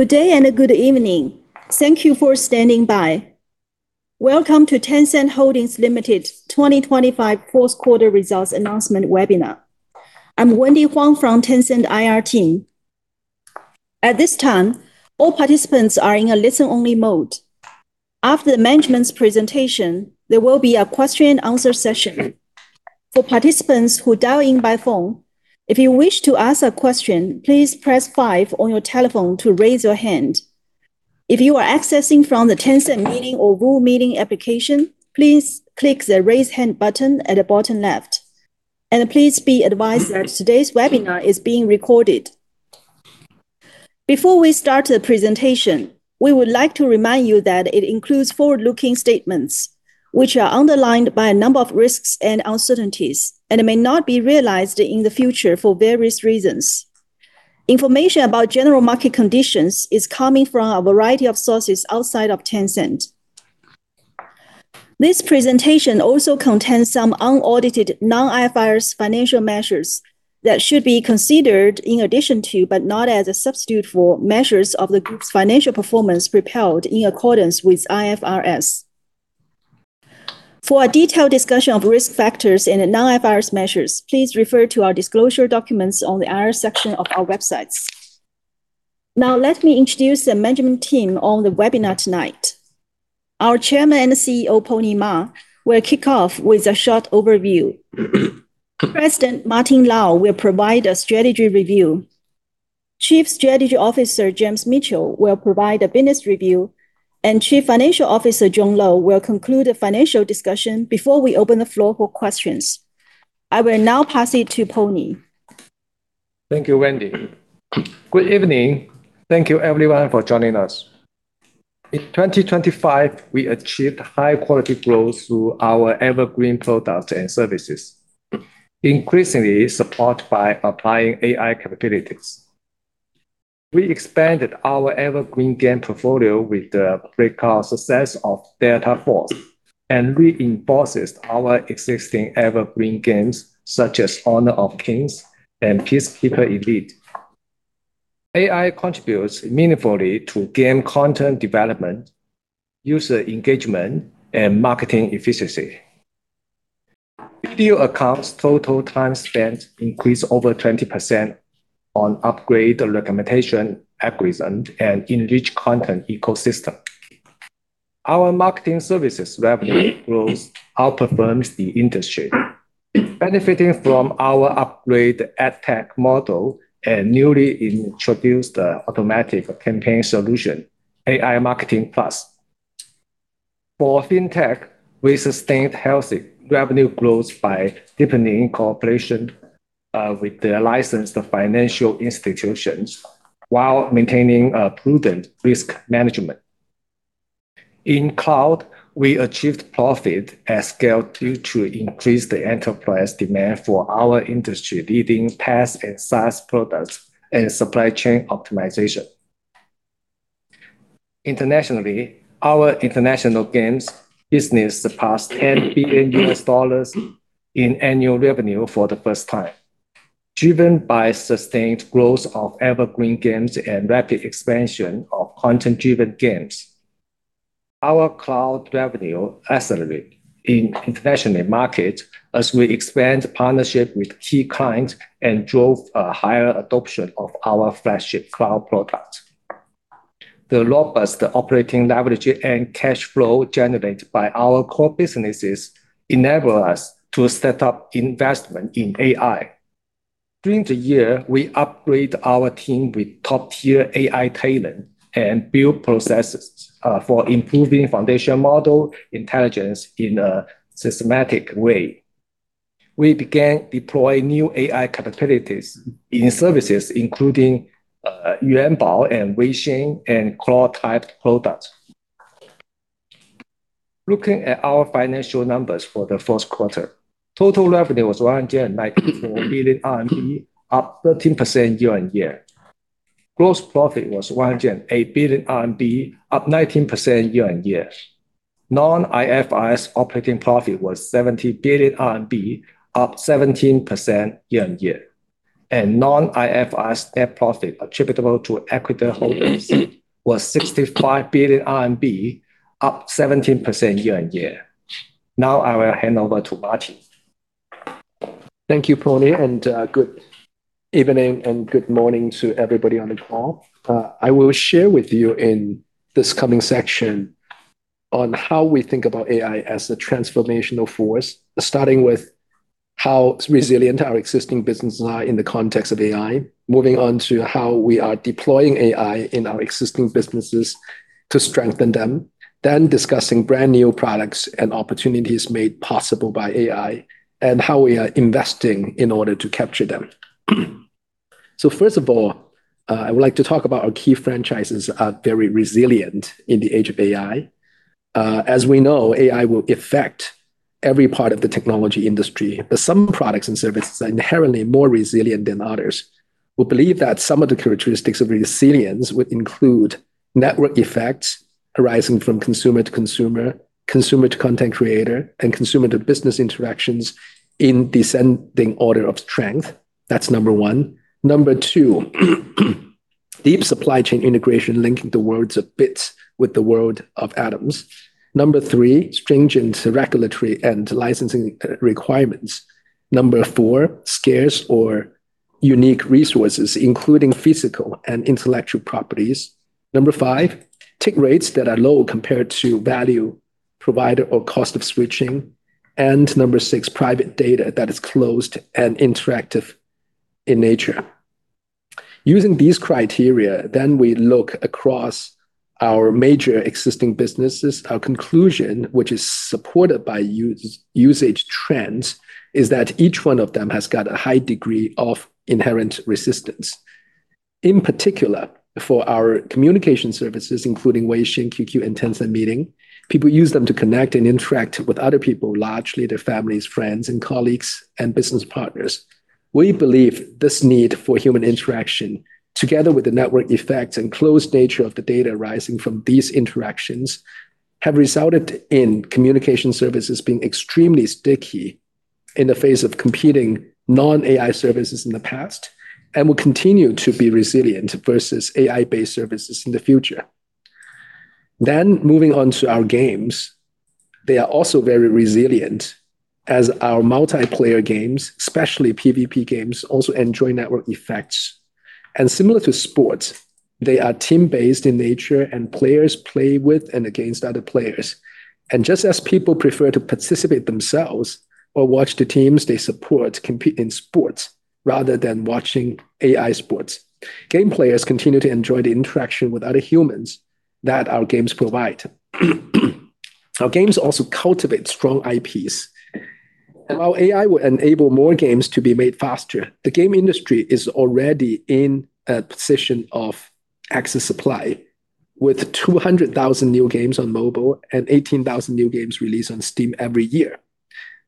Good day and good evening. Thank you for standing by. Welcome to Tencent Holdings Limited 2025 Q4 results announcement webinar. I'm Wendy Huang from Tencent IR team. At this time, all participants are in a listen-only mode. After the management's presentation, there will be a question and answer session. For participants who dial in by phone, if you wish to ask a question, please press five on your telephone to raise your hand. If you are accessing from the Tencent Meeting or VooV Meeting application, please click the Raise Hand button at the bottom left. Please be advised that today's webinar is being recorded. Before we start the presentation, we would like to remind you that it includes forward-looking statements, which are underlined by a number of risks and uncertainties and may not be realized in the future for various reasons. Information about general market conditions is coming from a variety of sources outside of Tencent. This presentation also contains some unaudited non-IFRS financial measures that should be considered in addition to, but not as a substitute for, measures of the group's financial performance reported in accordance with IFRS. For a detailed discussion of risk factors in the non-IFRS measures, please refer to our disclosure documents on the IR section of our websites. Now, let me introduce the management team on the webinar tonight. Our chairman and CEO, Pony Ma, will kick off with a short overview. President Martin Lau will provide a strategy review. Chief Strategy Officer James Mitchell will provide a business review. Chief Financial Officer John Lo will conclude the financial discussion before we open the floor for questions. I will now pass it to Pony. Thank you, Wendy. Good evening. Thank you everyone for joining us. In 2025, we achieved high quality growth through our evergreen products and services, increasingly supported by applying AI capabilities. We expanded our evergreen game portfolio with the breakout success of Delta Force and reinforced our existing evergreen games such as Honor of Kings and Peacekeeper Elite. AI contributes meaningfully to game content development, user engagement, and marketing efficiency. Video Accounts total time spent increased over 20% on upgraded recommendation algorithms and enriched content ecosystem. Our marketing services revenue growth outperforms the industry, benefiting from our upgraded ad tech model and newly introduced automatic campaign solution, AiM Plus. For fintech, we sustained healthy revenue growth by deepening cooperation with the licensed financial institutions while maintaining a prudent risk management. In cloud, we achieved profit at scale due to increased enterprise demand for our industry-leading PaaS and SaaS products and supply chain optimization. Internationally, our international games business surpassed $10 billion in annual revenue for the first time, driven by sustained growth of evergreen games and rapid expansion of content-driven games. Our cloud revenue accelerated in international markets as we expand partnership with key clients and drove a higher adoption of our flagship cloud product. The robust operating leverage and cash flow generated by our core businesses enable us to step up investment in AI. During the year, we upgrade our team with top-tier AI talent and build processes for improving foundation model intelligence in a systematic way. We began deploying new AI capabilities in services, including Yuanbao and Weixin and cloud-type product. Looking at our financial numbers for the Q4, total revenue was 94 billion RMB, up 13% year-on-year. Gross profit was 8 billion RMB, up 19% year-on-year. Non-IFRS operating profit was 70 billion RMB, up 17% year-on-year. Non-IFRS net profit attributable to equity holders was 65 billion RMB, up 17% year-on-year. Now I will hand over to Martin Lau. Thank you, Pony, and good evening and good morning to everybody on the call. I will share with you in this coming section on how we think about AI as a transformational force. Starting with how resilient our existing businesses are in the context of AI, moving on to how we are deploying AI in our existing businesses to strengthen them. Discussing brand-new products and opportunities made possible by AI, and how we are investing in order to capture them. First of all, I would like to talk about our key franchises are very resilient in the age of AI. As we know, AI will affect every part of the technology industry, but some products and services are inherently more resilient than others. We believe that some of the characteristics of resilience would include network effects arising from consumer to consumer to content creator, and consumer to business interactions in descending order of strength. That's number one. Number two, deep supply chain integration linking the worlds of bits with the world of atoms. Number three, stringent regulatory and licensing requirements. Number four, scarce or unique resources, including physical and intellectual properties. Number five, tick rates that are low compared to value provided or cost of switching. And number six, private data that is closed and interactive in nature. Using these criteria, we look across our major existing businesses. Our conclusion, which is supported by usage trends, is that each one of them has got a high degree of inherent resistance. In particular, for our communication services, including Weixin, QQ, and Tencent Meeting, people use them to connect and interact with other people, largely their families, friends, and colleagues, and business partners. We believe this need for human interaction, together with the network effects and closed nature of the data arising from these interactions, have resulted in communication services being extremely sticky in the face of competing non-AI services in the past and will continue to be resilient versus AI-based services in the future. Moving on to our games. They are also very resilient as our multiplayer games, especially PVP games, also enjoy network effects. Similar to sports, they are team-based in nature, and players play with and against other players. Just as people prefer to participate themselves or watch the teams they support compete in sports rather than watching AI sports, game players continue to enjoy the interaction with other humans that our games provide. Our games also cultivate strong IPs. While AI will enable more games to be made faster, the game industry is already in a position of excess supply, with 200,000 new games on mobile and 18,000 new games released on Steam every year.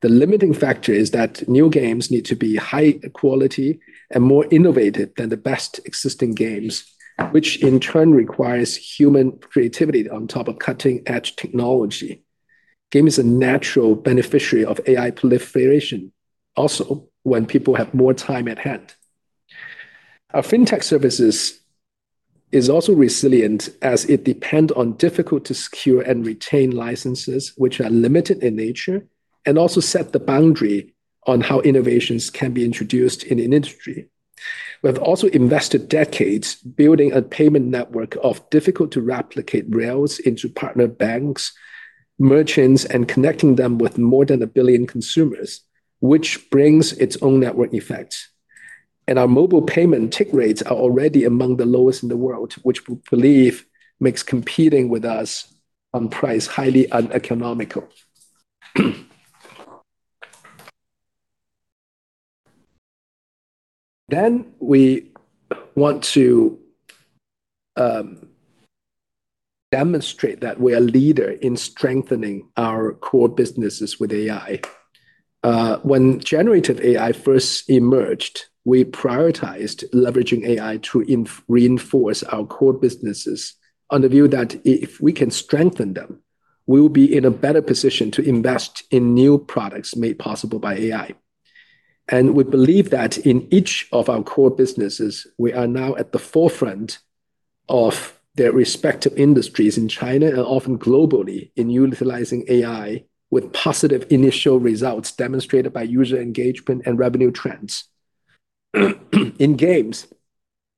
The limiting factor is that new games need to be high quality and more innovative than the best existing games, which in turn requires human creativity on top of cutting-edge technology. Game is a natural beneficiary of AI proliferation, also when people have more time at hand. Our fintech services are also resilient as they depend on difficult to secure and retain licenses which are limited in nature and also set the boundary on how innovations can be introduced in an industry. We have also invested decades building a payment network of difficult to replicate rails into partner banks, merchants, and connecting them with more than 1 billion consumers, which brings its own network effects. Our mobile payment take rates are already among the lowest in the world, which we believe makes competing with us on price highly uneconomical. We want to demonstrate that we're a leader in strengthening our core businesses with AI. When generative AI first emerged, we prioritized leveraging AI to reinforce our core businesses on the view that if we can strengthen them, we will be in a better position to invest in new products made possible by AI. We believe that in each of our core businesses, we are now at the forefront of their respective industries in China and often globally in utilizing AI with positive initial results demonstrated by user engagement and revenue trends. In games,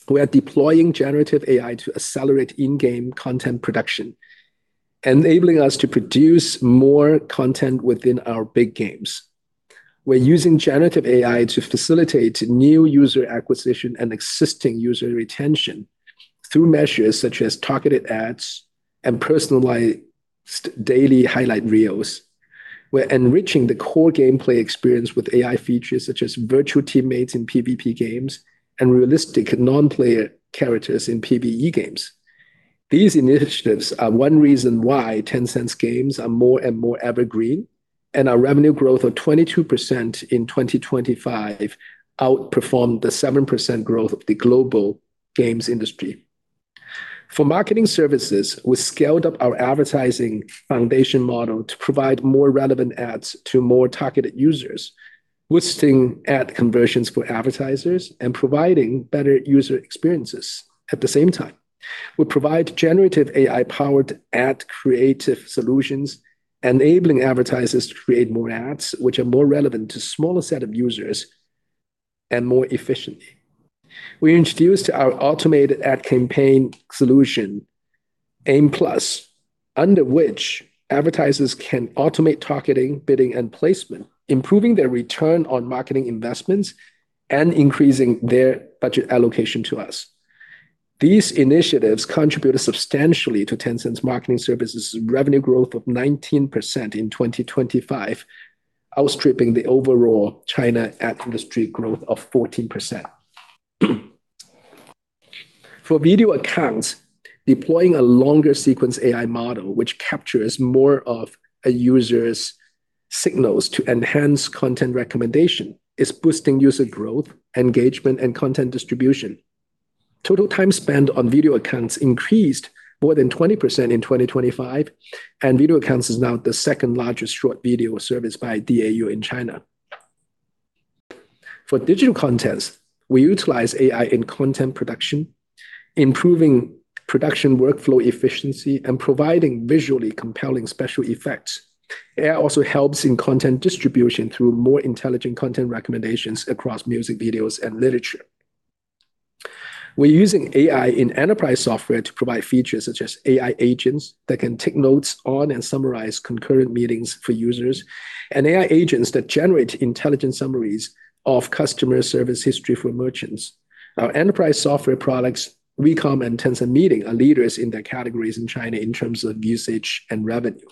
we are deploying generative AI to accelerate in-game content production, enabling us to produce more content within our big games. We're using generative AI to facilitate new user acquisition and existing user retention through measures such as targeted ads and personalized daily highlight reels. We're enriching the core gameplay experience with AI features such as virtual teammates in PVP games and realistic non-player characters in PVE games. These initiatives are one reason why Tencent's games are more and more evergreen, and our revenue growth of 22% in 2025 outperformed the 7% growth of the global games industry. For marketing services, we scaled up our advertising foundation model to provide more relevant ads to more targeted users, boosting ad conversions for advertisers and providing better user experiences at the same time. We provide generative AI-powered ad creative solutions, enabling advertisers to create more ads which are more relevant to smaller set of users and more efficiently. We introduced our automated ad campaign solution, AiM Plus, under which advertisers can automate targeting, bidding, and placement, improving their return on marketing investments and increasing their budget allocation to us. These initiatives contributed substantially to Tencent's marketing services revenue growth of 19% in 2025, outstripping the overall China ad industry growth of 14%. For Video Accounts, deploying a longer sequence AI model which captures more of a user's signals to enhance content recommendation is boosting user growth, engagement, and content distribution. Total time spent on Video Accounts increased more than 20% in 2025, and Video Accounts is now the second-largest short video service by DAU in China. For digital contents, we utilize AI in content production, improving production workflow efficiency, and providing visually compelling special effects. AI also helps in content distribution through more intelligent content recommendations across music, videos, and literature. We're using AI in enterprise software to provide features such as AI agents that can take notes on and summarize concurrent meetings for users, and AI agents that generate intelligent summaries of customer service history for merchants. Our enterprise software products, WeCom and Tencent Meeting, are leaders in their categories in China in terms of usage and revenue.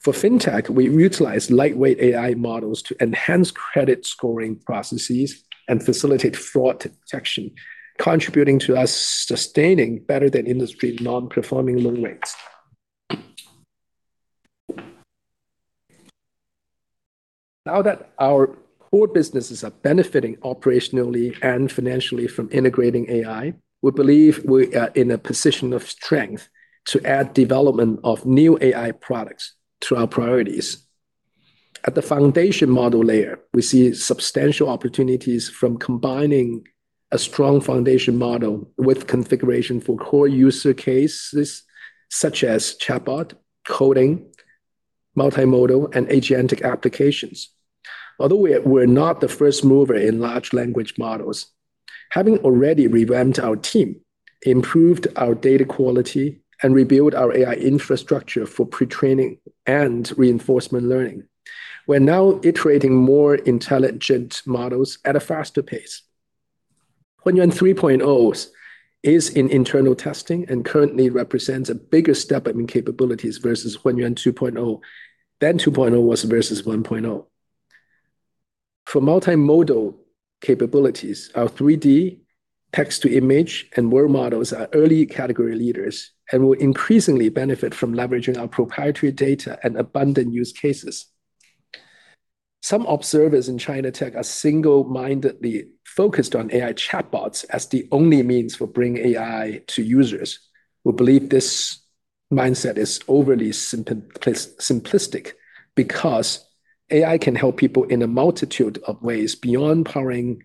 For Fintech, we utilize lightweight AI models to enhance credit scoring processes and facilitate fraud detection, contributing to us sustaining better than industry non-performing loan rates. Now that our core businesses are benefiting operationally and financially from integrating AI, we believe we are in a position of strength to add development of new AI products to our priorities. At the foundation model layer, we see substantial opportunities from combining a strong foundation model with configuration for core user cases such as chatbot, coding, multimodal, and agentic applications. Although we're not the first mover in large language models, having already revamped our team, improved our data quality, and rebuilt our AI infrastructure for pre-training and reinforcement learning, we're now iterating more intelligent models at a faster pace. HunYuan 3.0 is in internal testing and currently represents a bigger step in capabilities versus HunYuan 2.0 than HunYuan 2.0 was versus HunYuan 1.0. For multimodal capabilities, our 3D text-to-image and world models are early category leaders and will increasingly benefit from leveraging our proprietary data and abundant use cases. Some observers in Chinese tech are single-mindedly focused on AI chatbots as the only means for bringing AI to users. We believe this mindset is overly simplistic because AI can help people in a multitude of ways beyond powering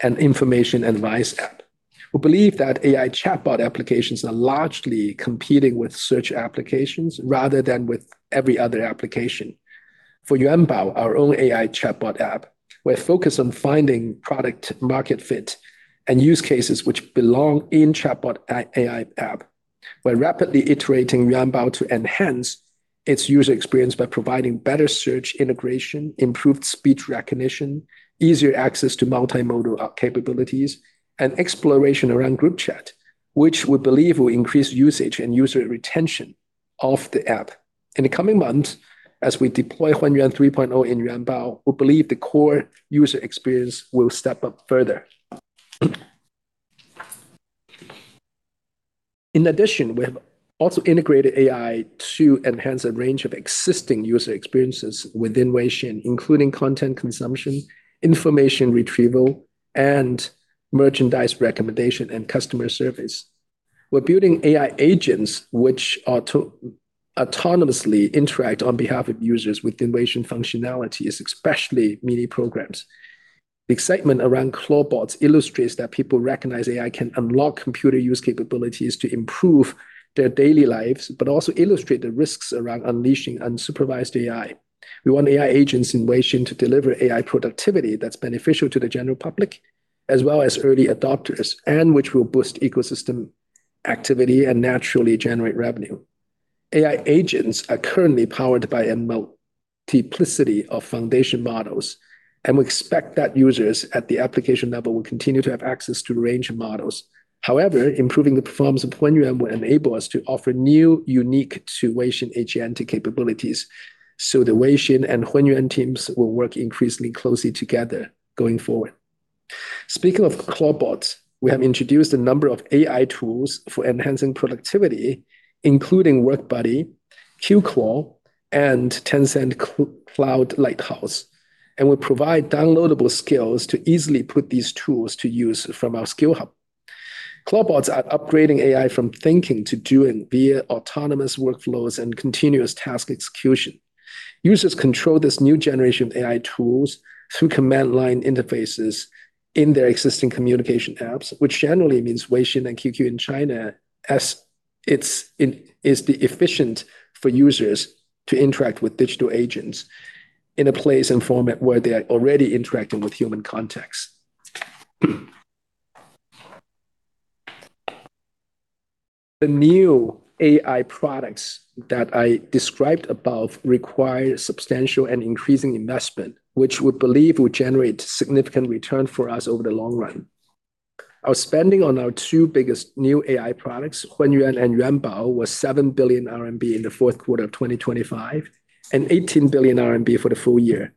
an information advice app. We believe that AI chatbot applications are largely competing with search applications rather than with every other application. For Yuanbao, our own AI chatbot app, we're focused on finding product market fit and use cases which belong in chatbot AI app. We're rapidly iterating Yuanbao to enhance its user experience by providing better search integration, improved speech recognition, easier access to multimodal capabilities, and exploration around group chat, which we believe will increase usage and user retention of the app. In the coming months, as we deploy HunYuan 3.0 in Yuanbao, we believe the core user experience will step up further. In addition, we have also integrated AI to enhance a range of existing user experiences within Weixin, including content consumption, information retrieval, and merchandise recommendation and customer service. We're building AI agents which autonomously interact on behalf of users within Weixin functionalities, especially Mini Programs. The excitement around OpenClaw illustrates that people recognize AI can unlock computer use capabilities to improve their daily lives but also illustrate the risks around unleashing unsupervised AI. We want AI agents in Weixin to deliver AI productivity that's beneficial to the general public as well as early adopters, and which will boost ecosystem activity and naturally generate revenue. AI agents are currently powered by a multiplicity of foundation models, and we expect that users at the application level will continue to have access to a range of models. However, improving the performance of HunYuan will enable us to offer new, unique to Weixin agentic capabilities. The Weixin and HunYuan teams will work increasingly closely together going forward. Speaking of OpenClaw, we have introduced a number of AI tools for enhancing productivity, including WorkBuddy, QClaw, and Tencent Cloud Lighthouse. We provide downloadable skills to easily put these tools to use from our SkillHub. OpenClaw is upgrading AI from thinking to doing via autonomous workflows and continuous task execution. Users control this new generation of AI tools through command line interfaces in their existing communication apps, which generally means Weixin and QQ in China, as it's the most efficient for users to interact with digital agents in a place and format where they are already interacting with human contacts. The new AI products that I described above require substantial and increasing investment, which we believe will generate significant return for us over the long run. Our spending on our two biggest new AI products, HunYuan and Yuanbao, was 7 billion RMB in the Q4 of 2025 and 18 billion RMB for the full year.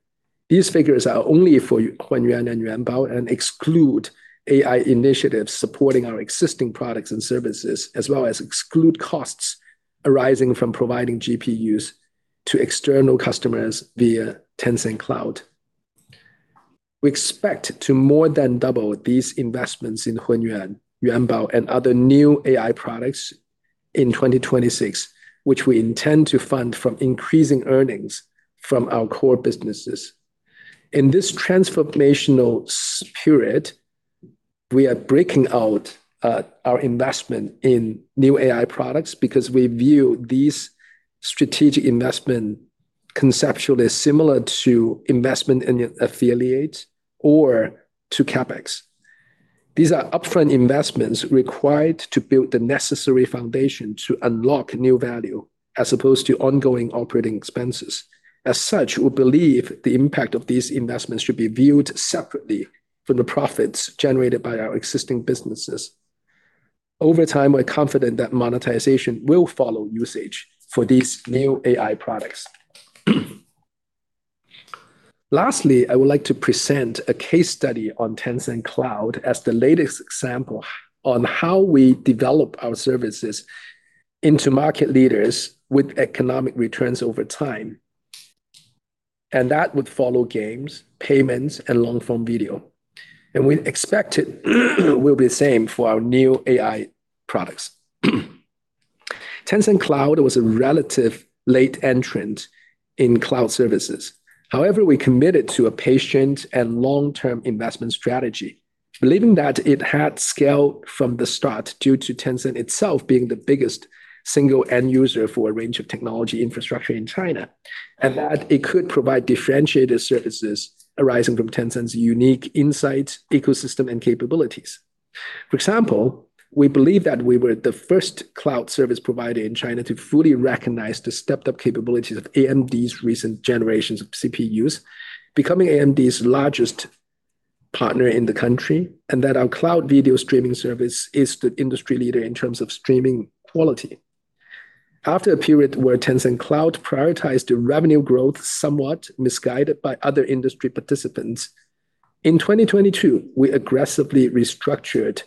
These figures are only for HunYuan and Yuanbao and exclude AI initiatives supporting our existing products and services, as well as exclude costs arising from providing GPUs to external customers via Tencent Cloud. We expect to more than double these investments in HunYuan, Yuanbao, and other new AI products in 2026, which we intend to fund from increasing earnings from our core businesses. In this transformational period, we are breaking out our investment in new AI products because we view these strategic investment conceptually similar to investment in an affiliate or to CapEx. These are upfront investments required to build the necessary foundation to unlock new value as opposed to ongoing operating expenses. As such, we believe the impact of these investments should be viewed separately from the profits generated by our existing businesses. Over time, we're confident that monetization will follow usage for these new AI products. Lastly, I would like to present a case study on Tencent Cloud as the latest example on how we develop our services into market leaders with economic returns over time. That would follow games, payments, and long-form video. We expect it will be the same for our new AI products. Tencent Cloud was a relative late entrant in cloud services. However, we committed to a patient and long-term investment strategy, believing that it had scale from the start due to Tencent itself being the biggest single end user for a range of technology infrastructure in China, and that it could provide differentiated services arising from Tencent's unique insights, ecosystem, and capabilities. For example, we believe that we were the first cloud service provider in China to fully recognize the stepped-up capabilities of AMD's recent generations of CPUs, becoming AMD's largest partner in the country, and that our cloud video streaming service is the industry leader in terms of streaming quality. After a period where Tencent Cloud prioritized the revenue growth somewhat misguided by other industry participants, in 2022, we aggressively restructured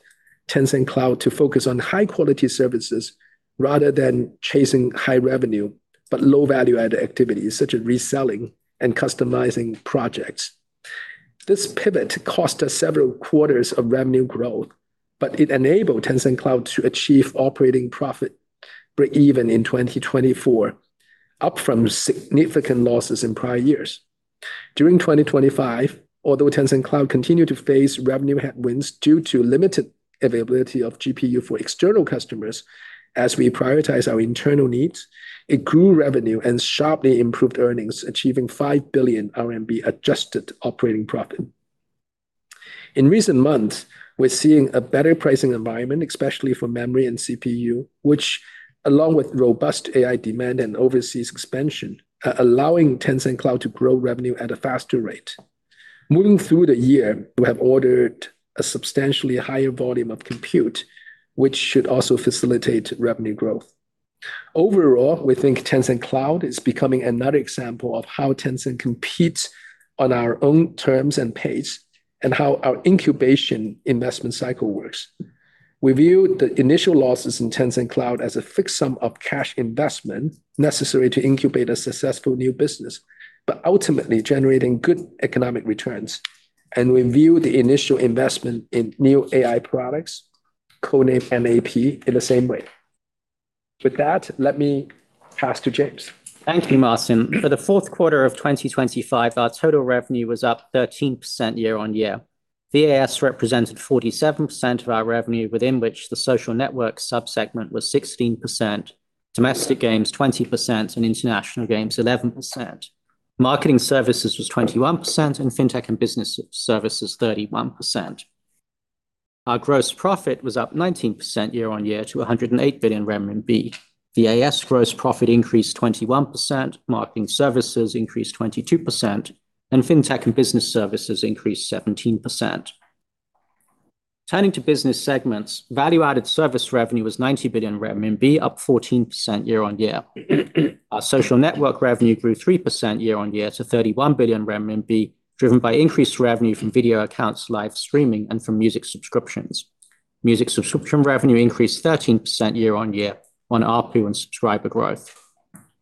Tencent Cloud to focus on high-quality services rather than chasing high revenue but low-value-added activities such as reselling and customizing projects. This pivot cost us several quarters of revenue growth, but it enabled Tencent Cloud to achieve operating profit breakeven in 2024, up from significant losses in prior years. During 2025, although Tencent Cloud continued to face revenue headwinds due to limited availability of GPU for external customers as we prioritize our internal needs, it grew revenue and sharply improved earnings, achieving 5 billion RMB adjusted operating profit. In recent months, we're seeing a better pricing environment, especially for memory and CPU, which, along with robust AI demand and overseas expansion, allowing Tencent Cloud to grow revenue at a faster rate. Moving through the year, we have ordered a substantially higher volume of compute, which should also facilitate revenue growth. Overall, we think Tencent Cloud is becoming another example of how Tencent competes on our own terms and pace and how our incubation investment cycle works. We view the initial losses in Tencent Cloud as a fixed sum of cash investment necessary to incubate a successful new business, but ultimately generating good economic returns. We view the initial investment in new AI products, code-named MAP, in the same way. With that, let me pass to James. Thank you, Martin. For the Q4 of 2025, our total revenue was up 13% year-on-year. VAS represented 47% of our revenue, within which the social network sub-segment was 16%, domestic games 20%, and international games 11%. Marketing services was 21%, and fintech and business services 31%. Our gross profit was up 19% year-on-year to 108 billion renminbi. VAS gross profit increased 21%, marketing services increased 22%, and fintech and business services increased 17%. Turning to business segments, value-added service revenue was 90 billion RMB, up 14% year-on-year. Our social network revenue grew 3% year-on-year to 31 billion renminbi, driven by increased revenue from Video Accounts, live streaming, and from music subscriptions. Music subscription revenue increased 13% year-on-year on ARPU and subscriber growth.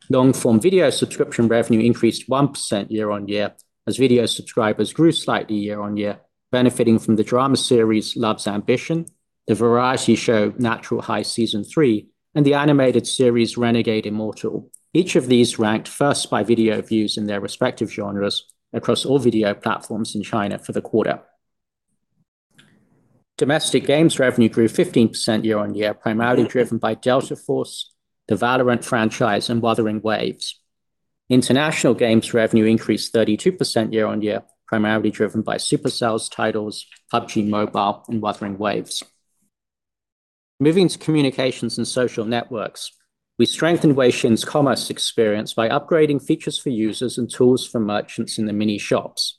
Long-form video subscription revenue increased 1% year-on-year as video subscribers grew slightly year-on-year, benefiting from the drama series Love's Ambition, the variety show Natural High: Season 3, and the animated series Renegade Immortal. Each of these ranked first by video views in their respective genres across all video platforms in China for the quarter. Domestic games revenue grew 15% year-on-year, primarily driven by Delta Force, the Valorant franchise, and Wuthering Waves. International games revenue increased 32% year-on-year, primarily driven by Supercell's titles, PUBG Mobile, and Wuthering Waves. Moving to communications and social networks, we strengthened Weixin's commerce experience by upgrading features for users and tools for merchants in the Mini Shops.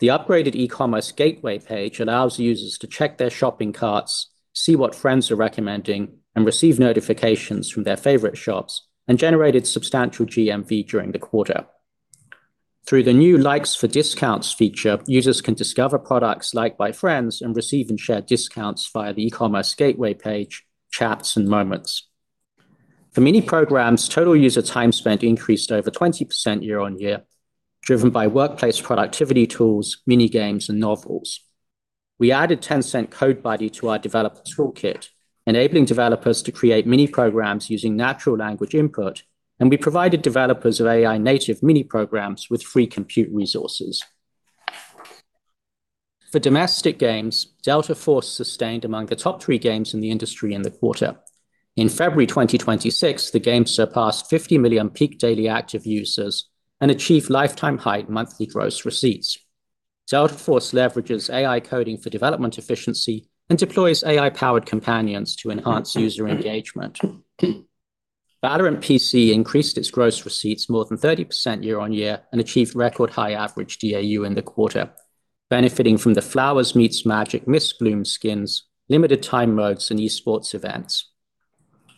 The upgraded e-commerce gateway page allows users to check their shopping carts, see what friends are recommending, and receive notifications from their favorite shops, and generated substantial GMV during the quarter. Through the new Likes for Discounts feature, users can discover products liked by friends and receive and share discounts via the e-commerce gateway page, chats, and moments. For Mini Programs, total user time spent increased over 20% year-on-year, driven by workplace productivity tools, mini-games, and novels. We added Tencent CodeBuddy to our developer toolkit, enabling developers to create mini-programs using natural language input, and we provided developers of AI native mini-programs with free compute resources. For domestic games, Delta Force sustained among the top three games in the industry in the quarter. In February 2026, the game surpassed 50 million peak daily active users and achieved lifetime high monthly gross receipts. Delta Force leverages AI coding for development efficiency and deploys AI-powered companions to enhance user engagement. Valorant PC increased its gross receipts more than 30% year on year and achieved record high average DAU in the quarter, benefiting from the Flowers Meets Magic Mystbloom skins, limited time modes and eSports events.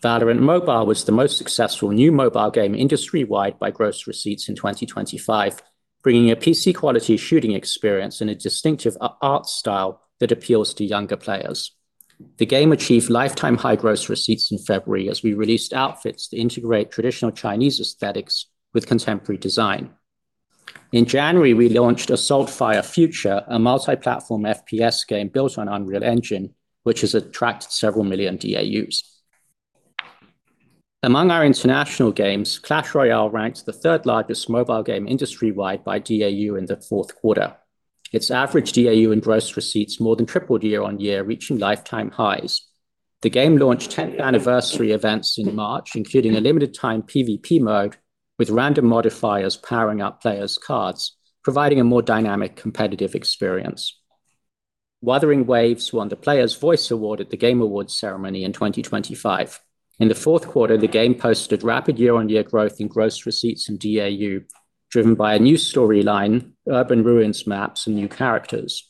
Valorant Mobile was the most successful new mobile game industry-wide by gross receipts in 2025, bringing a PC-quality shooting experience and a distinctive art style that appeals to younger players. The game achieved lifetime high gross receipts in February as we released outfits to integrate traditional Chinese aesthetics with contemporary design. In January, we launched Assault Fire: Future, a multi-platform FPS game built on Unreal Engine, which has attracted several million DAUs. Among our international games, Clash Royale ranks the third largest mobile game industry-wide by DAU in the Q4. Its average DAU and gross receipts more than tripled year-on-year, reaching lifetime highs. The game launched tenth anniversary events in March, including a limited time PVP mode with random modifiers powering up players' cards, providing a more dynamic competitive experience. Wuthering Waves won the Players' Voice Award at The Game Awards ceremony in 2025. In the Q4, the game posted rapid year-on-year growth in gross receipts and DAU, driven by a new storyline, urban ruins maps, and new characters.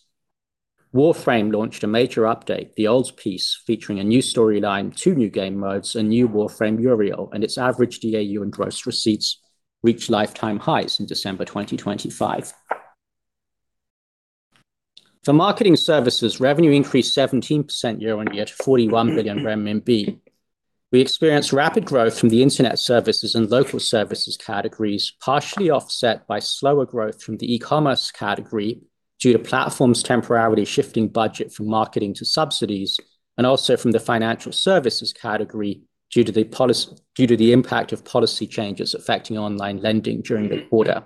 Warframe launched a major update, The Old Peace, featuring a new storyline, two new game modes, a new Warframe Uriel, and its average DAU and gross receipts reached lifetime highs in December 2025. For marketing services, revenue increased 17% year-on-year to 41 billion RMB. We experienced rapid growth from the internet services and local services categories, partially offset by slower growth from the e-commerce category due to platforms temporarily shifting budget from marketing to subsidies, and also from the financial services category due to the impact of policy changes affecting online lending during the quarter.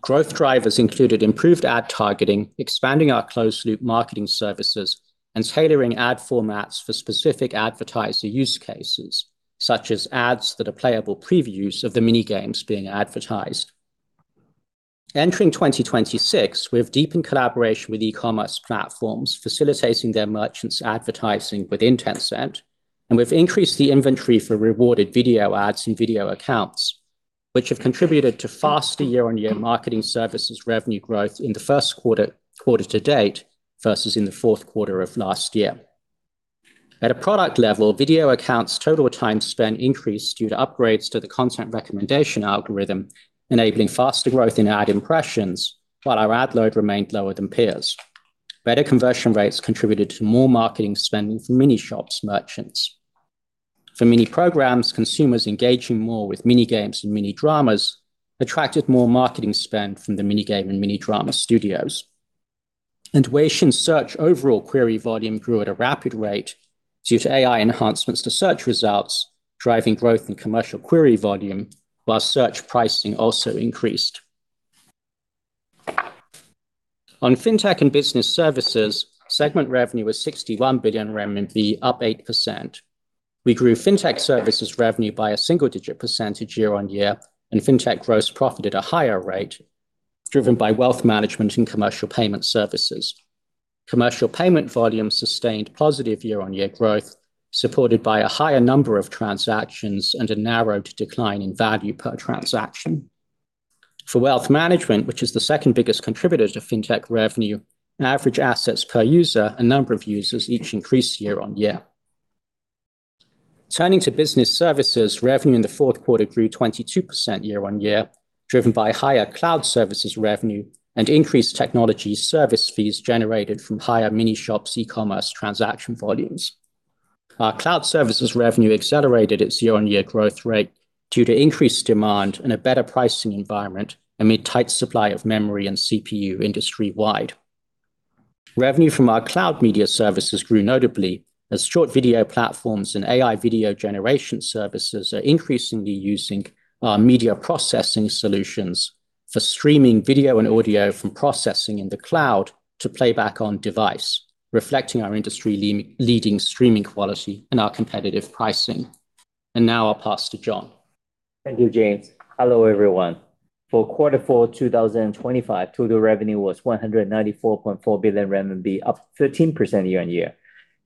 Growth drivers included improved ad targeting, expanding our closed loop marketing services, and tailoring ad formats for specific advertiser use cases, such as ads that are playable previews of the mini games being advertised. Entering 2026, we have deepened collaboration with e-commerce platforms, facilitating their merchants advertising within Tencent, and we've increased the inventory for rewarded video ads and Video Accounts, which have contributed to faster year-on-year marketing services revenue growth in the Q1 to date versus in the Q4 of last year. At a product level, Video Accounts total time spent increased due to upgrades to the content recommendation algorithm, enabling faster growth in ad impressions while our ad load remained lower than peers. Better conversion rates contributed to more marketing spending for Mini Shops merchants. For Mini Programs, consumers engaging more with mini-games and mini-dramas attracted more marketing spend from the mini-game and mini-drama studios. Weixin Search overall query volume grew at a rapid rate due to AI enhancements to search results, driving growth in commercial query volume, while search pricing also increased. On fintech and business services, segment revenue was 61 billion RMB, up 8%. We grew fintech services revenue by a single-digit percentage YoY, and fintech gross profit at a higher rate driven by wealth management and commercial payment services. Commercial payment volume sustained positive year-on-year growth, supported by a higher number of transactions and a narrowed decline in value per transaction. For wealth management, which is the second biggest contributor to fintech revenue, average assets per user and number of users each increased year-on-year. Turning to business services, revenue in the Q4 grew 22% year-on-year, driven by higher cloud services revenue and increased technology service fees generated from higher Mini Shops e-commerce transaction volumes. Our cloud services revenue accelerated its year-on-year growth rate due to increased demand and a better pricing environment amid tight supply of memory and CPU industry-wide. Revenue from our cloud media services grew notably as short video platforms and AI video generation services are increasingly using our media processing solutions for streaming video and audio from processing in the cloud to playback on device, reflecting our industry leading streaming quality and our competitive pricing. Now I'll pass to John. Thank you, James. Hello, everyone. For quarter four 2025, total revenue was 194.4 billion RMB, up 13% year-on-year.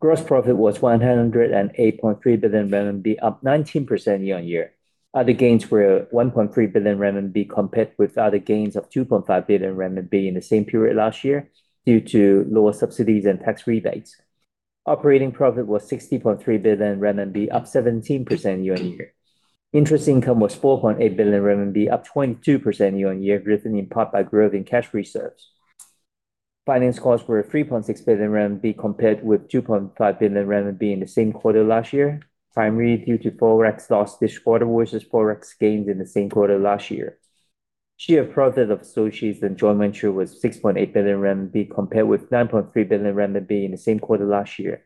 Gross profit was 108.3 billion RMB, up 19% year-on-year. Other gains were 1.3 billion RMB compared with other gains of 2.5 billion RMB in the same period last year due to lower subsidies and tax rebates. Operating profit was 60.3 billion RMB, up 17% year-on-year. Interest income was 4.8 billion RMB, up 22% year-on-year, driven in part by growth in cash reserves. Finance costs were 3.6 billion RMB compared with 2.5 billion RMB in the same quarter last year, primarily due to ForEx loss this quarter versus ForEx gains in the same quarter last year. Share of profit of associates and joint venture was 6.8 billion RMB compared with 9.3 billion RMB in the same quarter last year.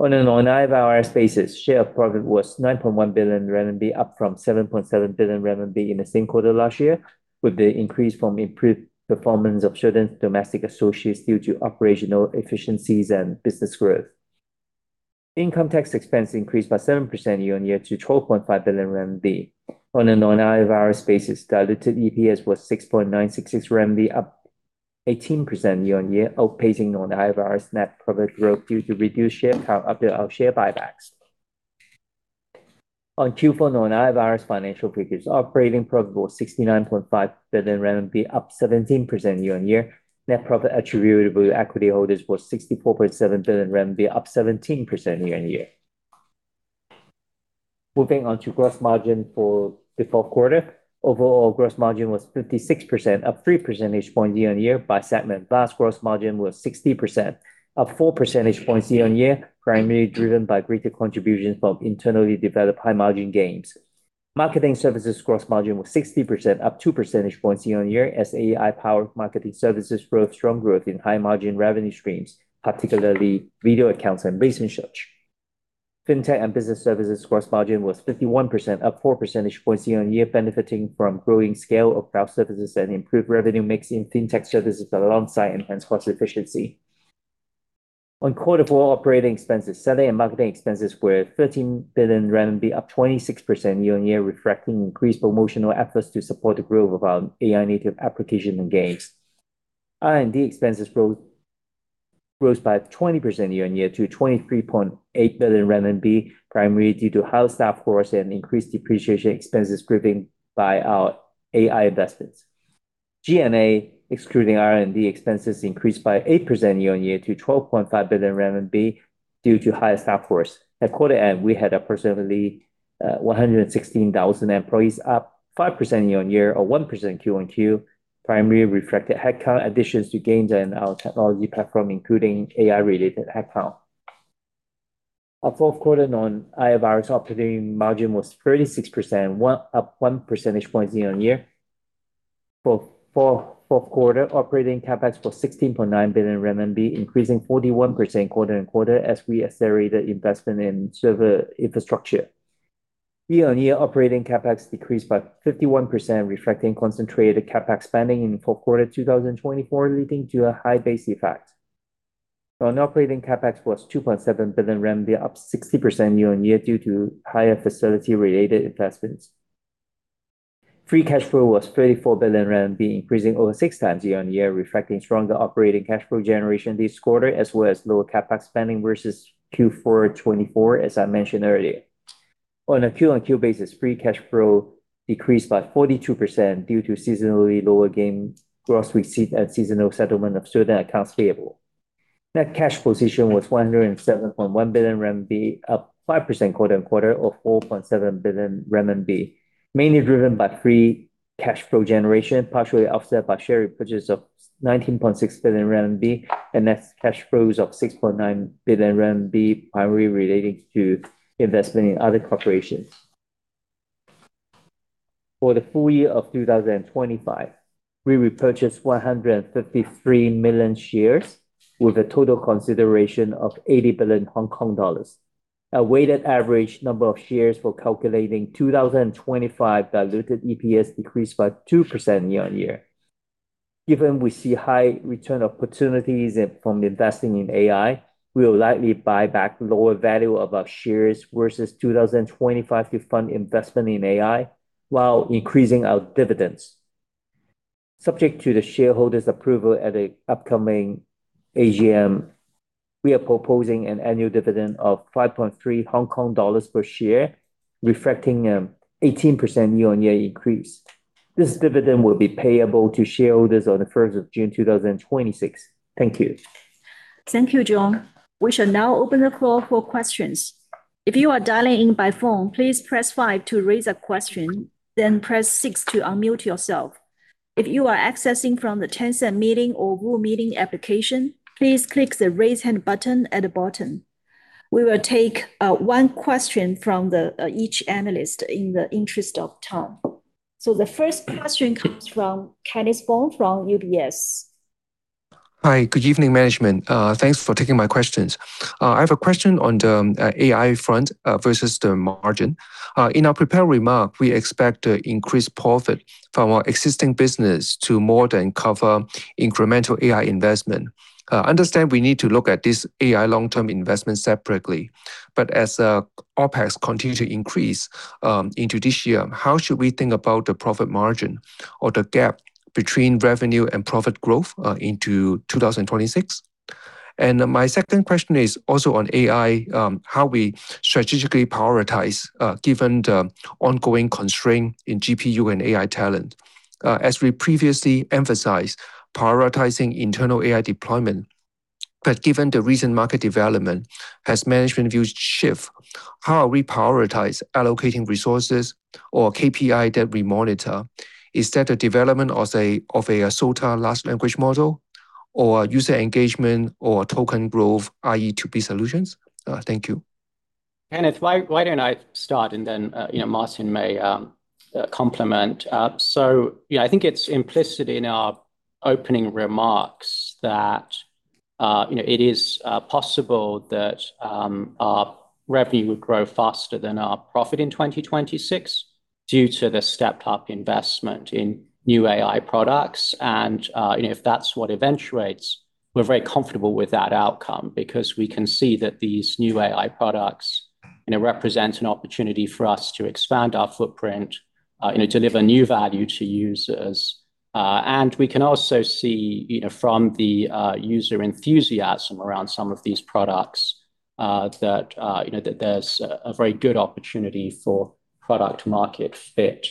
On a non-IFRS basis, share of profit was 9.1 billion RMB, up from 7.7 billion RMB in the same quarter last year, with the increase from improved performance of certain domestic associates due to operational efficiencies and business growth. Income tax expense increased by 7% year-on-year to 12.5 billion RMB. On a non-IFRS basis, diluted EPS was 6.96 RMB, up 18% year-on-year, outpacing non-IFRS net profit growth due to reduced share count after our share buybacks. On Q4 non-IFRS financial figures, operating profit was 69.5 billion renminbi, up 17% year-on-year. Net profit attributable to equity holders was 64.7 billion renminbi, up 17% year-on-year. Moving on to gross margin for the Q4. Overall gross margin was 56%, up 3 percentage points year-on-year by segment. VAS gross margin was 60%, up 4 percentage points year-on-year, primarily driven by greater contributions from internally developed high-margin games. Marketing services gross margin was 60%, up 2 percentage points year-on-year as AI-powered marketing services drove strong growth in high-margin revenue streams, particularly Video Accounts and Weixin Search. Fintech and business services gross margin was 51%, up 4 percentage points year-on-year, benefiting from growing scale of cloud services and improved revenue mix in Fintech services alongside enhanced cost efficiency. On Q4 operating expenses, selling and marketing expenses were 13 billion RMB, up 26% year-on-year, reflecting increased promotional efforts to support the growth of our AI-native application and games. R&D expenses grows by 20% year-over-year to 23.8 billion RMB, primarily due to higher staff costs and increased depreciation expenses driven by our AI investments. G&A, excluding R&D expenses, increased by 8% year-over-year to 12.5 billion RMB due to higher staff costs. At quarter end, we had approximately 116,000 employees, up 5% year-over-year, or 1% quarter-over-quarter, primarily reflected headcount additions to gains in our technology platform, including AI-related headcount. Our Q4 non-IFRS operating margin was 36%, up 1 percentage point year-over-year. Q4 operating CapEx was 16.9 billion renminbi, increasing 41% quarter-over-quarter as we accelerated investment in server infrastructure. Year-on-year operating CapEx decreased by 51%, reflecting concentrated CapEx spending in Q4 2024, leading to a high base effect. Non-operating CapEx was 2.7 billion RMB, up 60% year-on-year due to higher facility-related investments. Free cash flow was 34 billion RMB, increasing over 6x year-on-year, reflecting stronger operating cash flow generation this quarter, as well as lower CapEx spending versus Q4 2024, as I mentioned earlier. On a quarter-on-quarter basis, free cash flow decreased by 42% due to seasonally lower game gross receipts and seasonal settlement of student accounts payable. Net cash position was 107.1 billion RMB, up 5% quarter-on-quarter or 4.7 billion RMB, mainly driven by free cash flow generation, partially offset by share repurchase of 19.6 billion RMB and net cash flows of 6.9 billion RMB, primarily relating to investment in other corporations. For the full year of 2025, we repurchased 153 million shares with a total consideration of 80 billion Hong Kong dollars. Our weighted average number of shares for calculating 2025 diluted EPS decreased by 2% year-on-year. Given we see high return opportunities from investing in AI, we will likely buy back lower value of our shares versus 2025 to fund investment in AI while increasing our dividends. Subject to the shareholders' approval at the upcoming AGM, we are proposing an annual dividend of 5.3 Hong Kong dollars per share, reflecting 18% year-on-year increase. This dividend will be payable to shareholders on the first of June 2026. Thank you. Thank you, John. We shall now open the floor for questions. If you are dialing in by phone, please press five to raise a question, then press six to unmute yourself. If you are accessing from the Tencent Meeting or Zoom meeting application, please click the Raise Hand button at the bottom. We will take one question from each analyst in the interest of time. The first question comes from Kenneth Fong from UBS. Hi. Good evening, management. Thanks for taking my questions. I have a question on the AI front versus the margin. In our prepared remark, we expect increased profit from our existing business to more than cover incremental AI investment. Understand we need to look at this AI long-term investment separately, but as OpEx continue to increase into this year, how should we think about the profit margin or the gap between revenue and profit growth into 2026? My second question is also on AI, how we strategically prioritize given the ongoing constraint in GPU and AI talent. As we previously emphasized, prioritizing internal AI deployment. Given the recent market development, has management views shift? How are we prioritize allocating resources or KPI that we monitor? Is that a development of a SOTA large language model or user engagement or token growth, i.e., to be solutions? Thank you. Kenneth, why don't I start and then, you know, Martin may complement. Yeah, I think it's implicit in our opening remarks that, you know, it is possible that our revenue would grow faster than our profit in 2026 due to the stepped up investment in new AI products. You know, if that's what eventuates, we're very comfortable with that outcome because we can see that these new AI products, you know, represent an opportunity for us to expand our footprint, you know, deliver new value to users. We can also see, you know, from the user enthusiasm around some of these products, that you know that there's a very good opportunity for product market fit.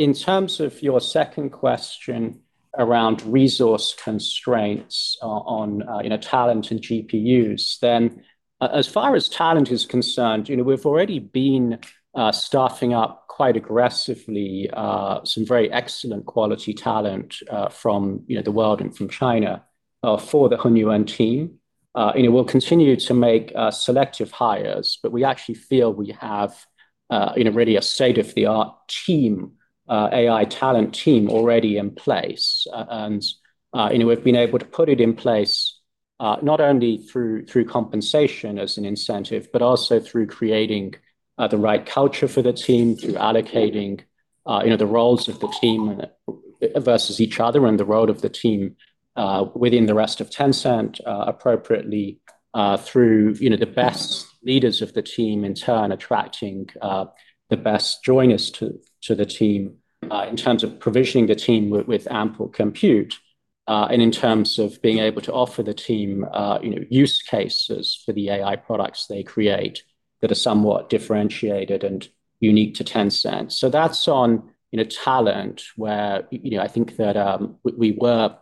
In terms of your second question around resource constraints on you know, talent and GPUs, as far as talent is concerned, you know, we've already been staffing up quite aggressively some very excellent quality talent from you know, the world and from China for the HunYuan team. We'll continue to make selective hires, but we actually feel we have you know, really a state-of-the-art team AI talent team already in place. You know, we've been able to put it in place, not only through compensation as an incentive, but also through creating the right culture for the team, through allocating you know, the roles of the team versus each other and the role of the team within the rest of Tencent appropriately, through you know, the best leaders of the team in turn attracting the best joiners to the team, in terms of provisioning the team with ample compute, and in terms of being able to offer the team you know, use cases for the AI products they create that are somewhat differentiated and unique to Tencent. That's on, you know, talent where, you know, I think that, we were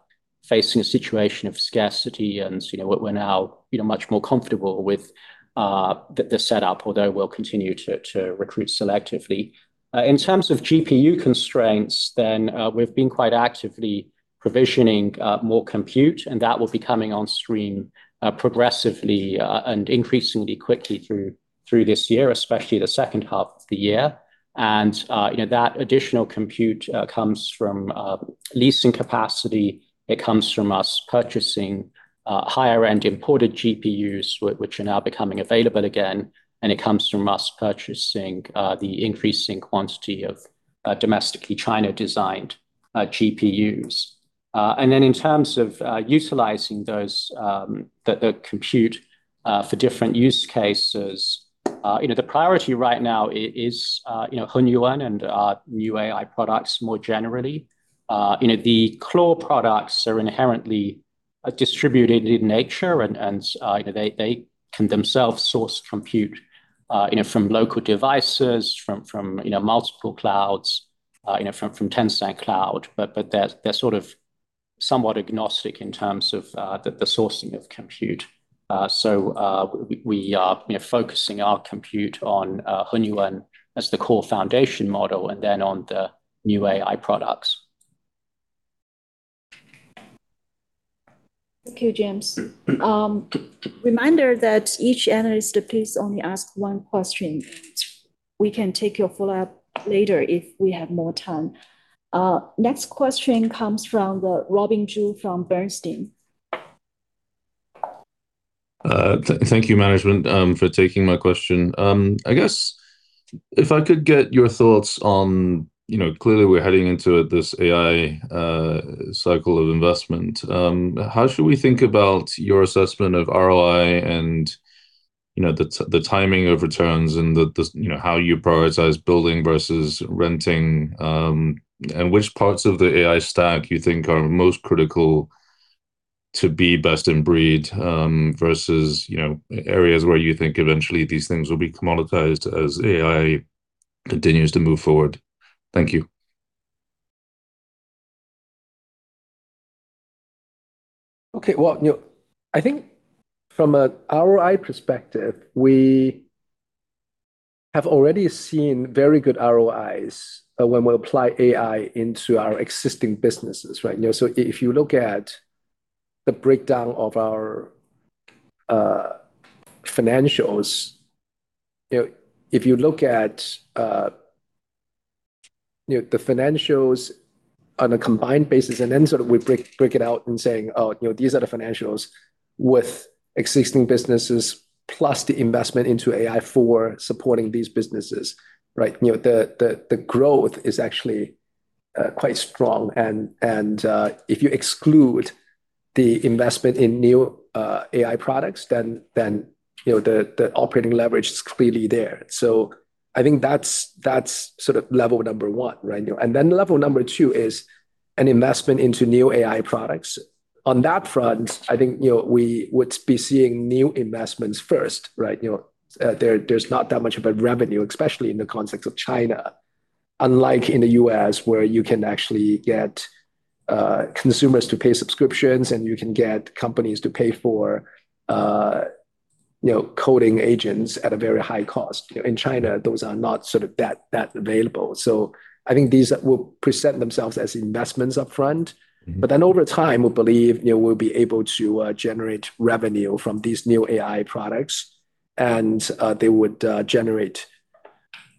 facing a situation of scarcity and, you know, we're now, you know, much more comfortable with, the setup, although we'll continue to recruit selectively. In terms of GPU constraints then, we've been quite actively provisioning, more compute, and that will be coming on stream, progressively, and increasingly quickly through this year, especially the H2 of the year. You know, that additional compute comes from leasing capacity. It comes from us purchasing, higher-end imported GPUs which are now becoming available again, and it comes from us purchasing, the increasing quantity of, domestically China-designed, GPUs. In terms of utilizing those, the compute for different use cases, you know, the priority right now is, you know, HunYuan and our new AI products more generally. You know, the core products are inherently distributed in nature and, you know, they can themselves source compute, you know, from local devices, from, you know, multiple clouds, you know, from Tencent Cloud. They're sort of somewhat agnostic in terms of the sourcing of compute. We are, you know, focusing our compute on HunYuan as the core foundation model and then on the new AI products. Thank you, James. Reminder that each analyst please only ask one question. We can take your follow-up later if we have more time. Next question comes from Robin Zhu from Bernstein. Thank you management, for taking my question. I guess if I could get your thoughts on, you know, clearly we're heading into this AI cycle of investment. How should we think about your assessment of ROI and, you know, the timing of returns and, you know, how you prioritize building versus renting, and which parts of the AI stack you think are most critical to be best in breed, versus, you know, areas where you think eventually these things will be commoditized as AI continues to move forward? Thank you. Okay. Well, you know, I think from a ROI perspective, we have already seen very good ROIs when we apply AI into our existing businesses, right? You know, so if you look at the breakdown of our financials, you know, if you look at the financials on a combined basis and then sort of we break it out and saying, oh, you know, these are the financials with existing businesses plus the investment into AI for supporting these businesses, right? You know, the growth is actually quite strong and if you exclude the investment in new AI products, then you know, the operating leverage is clearly there. I think that's sort of level number one, right? You know, and then level number two is an investment into new AI products. On that front, I think, you know, we would be seeing new investments first, right? You know, there's not that much of a revenue, especially in the context of China. Unlike in the U.S. where you can actually get consumers to pay subscriptions and you can get companies to pay for, you know, coding agents at a very high cost. In China, those are not sort of that available. I think these will present themselves as investments upfront. Mm-hmm. Over time, we believe, you know, we'll be able to generate revenue from these new AI products and they would generate,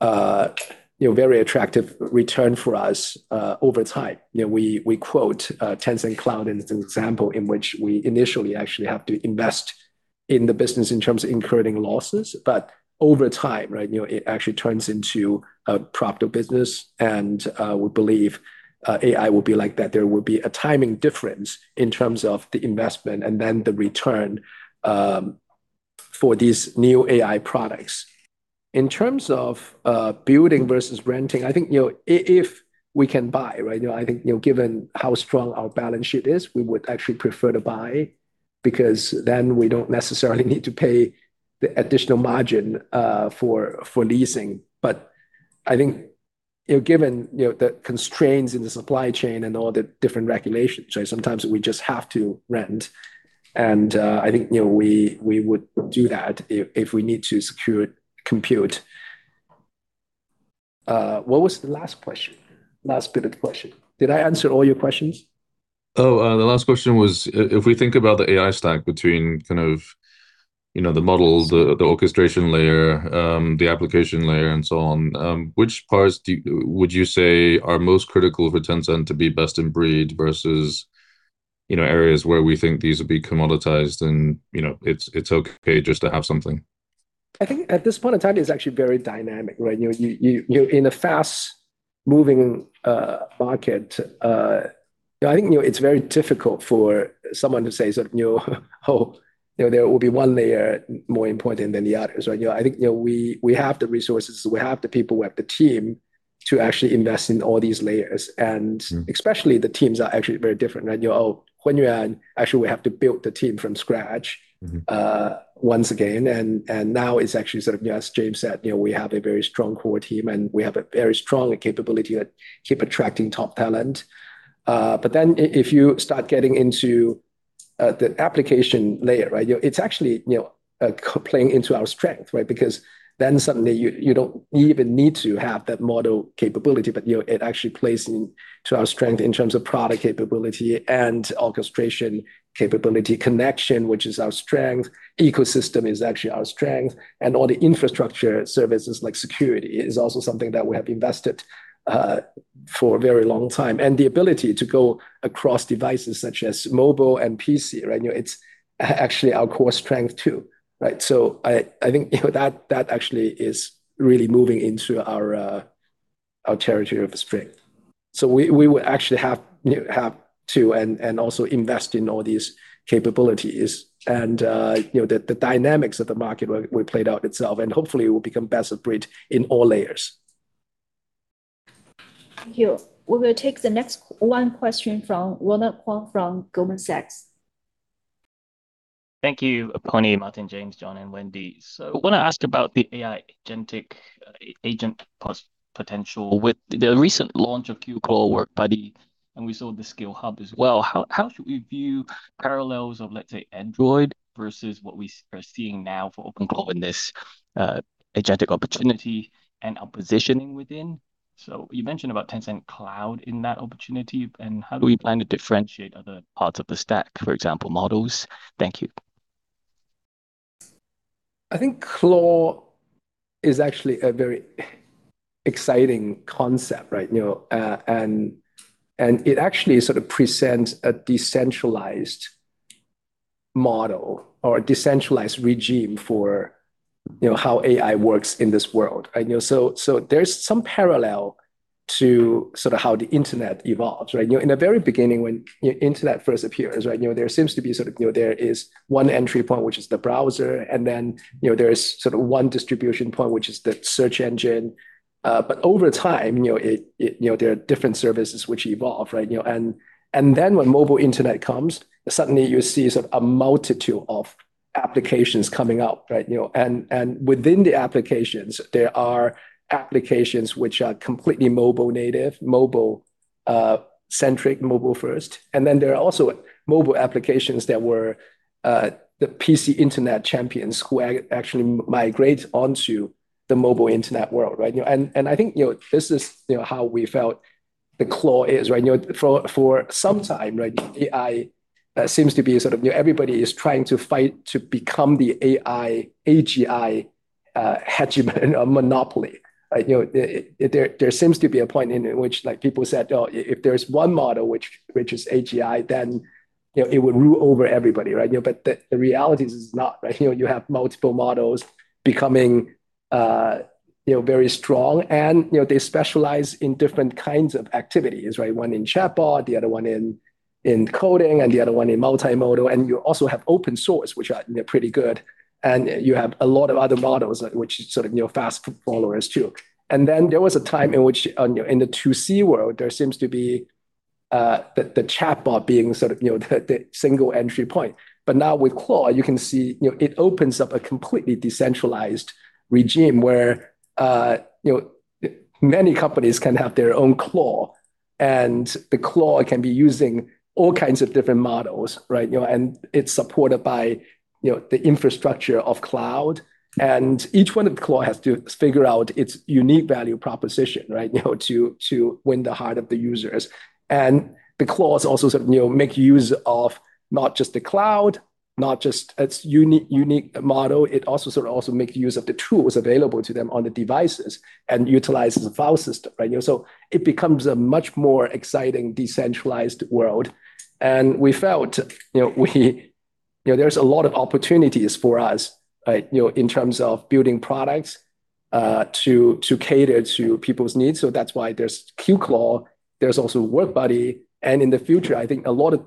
you know, very attractive return for us over time. You know, we quote Tencent Cloud as an example in which we initially actually have to invest in the business in terms of incurring losses, but over time, right, you know, it actually turns into a profitable business. We believe AI will be like that. There will be a timing difference in terms of the investment and then the return for these new AI products. In terms of building versus renting, I think, you know, if we can buy, right, you know, I think, you know, given how strong our balance sheet is, we would actually prefer to buy because then we don't necessarily need to pay the additional margin for leasing. I think, you know, given, you know, the constraints in the supply chain and all the different regulations, right, sometimes we just have to rent. I think, you know, we would do that if we need to secure compute. What was the last question? Last bit of the question. Did I answer all your questions? The last question was if we think about the AI stack between, you know, the models, the orchestration layer, the application layer and so on, which parts would you say are most critical for Tencent to be best in breed versus, you know, areas where we think these will be commoditized and, you know, it's okay just to have something? I think at this point in time, it's actually very dynamic, right? You know, you're in a fast-moving market. I think, you know, it's very difficult for someone to say sort of, you know, oh, you know, there will be one layer more important than the others, right? You know, I think, you know, we have the resources, we have the people, we have the team to actually invest in all these layers. Mm-hmm. Especially the teams are actually very different. You know, actually we have to build the team from scratch. Mm-hmm. Once again. Now it's actually sort of, as James said, you know, we have a very strong core team, and we have a very strong capability to keep attracting top talent. Then if you start getting into the application layer, right? You know, it's actually, you know, playing into our strength, right? Because then suddenly you don't even need to have that model capability, but, you know, it actually plays into our strength in terms of product capability and orchestration capability connection, which is our strength. Ecosystem is actually our strength. All the infrastructure services like security is also something that we have invested for a very long time. The ability to go across devices such as mobile and PC, right? You know, it's actually our core strength, too, right? I think you know that actually is really moving into our territory of strength. We would actually have to and also invest in all these capabilities. You know, the dynamics of the market will play out itself, and hopefully we'll become best of breed in all layers. Thank you. We will take the next one question from Ronald Keung from Goldman Sachs. Thank you, Pony, Martin, James, John, and Wendy. Want to ask about the AI agentic agent potential with the recent launch of QClaw, WorkBuddy, and we saw the SkillHub as well. How should we view parallels of, let's say, Android versus what we are seeing now for OpenClaw in this agentic opportunity and our positioning within? You mentioned about Tencent Cloud in that opportunity. How do we plan to differentiate other parts of the stack, for example, models? Thank you. I think OpenClaw is actually a very exciting concept, right? You know, it actually sort of presents a decentralized model or a decentralized regime for, you know, how AI works in this world. You know, so there's some parallel to sort of how the internet evolves, right? You know, in the very beginning when internet first appears, right, you know, there seems to be sort of, you know, there is one entry point, which is the browser. You know, there is sort of one distribution point, which is the search engine. Over time, you know, it, you know, there are different services which evolve, right? You know, and then when mobile internet comes, suddenly you see sort of a multitude of applications coming up, right? You know, and within the applications, there are applications which are completely mobile native, mobile centric, mobile first. There are also mobile applications that were the PC internet champions who actually migrate onto the mobile internet world, right? You know, and I think, you know, this is, you know, how we felt the OpenClaw is, right? You know, for some time, right, AI seems to be sort of, you know, everybody is trying to fight to become the AI, AGI hegemon or monopoly. You know, there seems to be a point in it which like people said, "Oh, if there's one model which is AGI, then, you know, it would rule over everybody," right? You know, the reality is it's not, right? You know, you have multiple models becoming, you know, very strong and, you know, they specialize in different kinds of activities, right? One in chatbot, the other one in coding, and the other one in multimodal. You also have open source, which are, you know, pretty good. You have a lot of other models which sort of, you know, fast followers too. Then there was a time in which, you know, in the two C world, there seems to be. The chatbot being sort of, you know, the single entry point. Now with Claw, you can see, you know, it opens up a completely decentralized regime where, you know, many companies can have their own Claw, and the Claw can be using all kinds of different models, right? You know, and it's supported by, you know, the infrastructure of cloud, and each one of the Claw has to figure out its unique value proposition, right, you know, to win the heart of the users. The Claws also sort of, you know, make use of not just the cloud, not just its unique model, it also sort of make use of the tools available to them on the devices and utilizes the file system, right? You know, it becomes a much more exciting decentralized world. We felt, you know, there's a lot of opportunities for us, right, you know, in terms of building products to cater to people's needs. So that's why there's QClaw, there's also WorkBuddy, and in the future, I think a lot of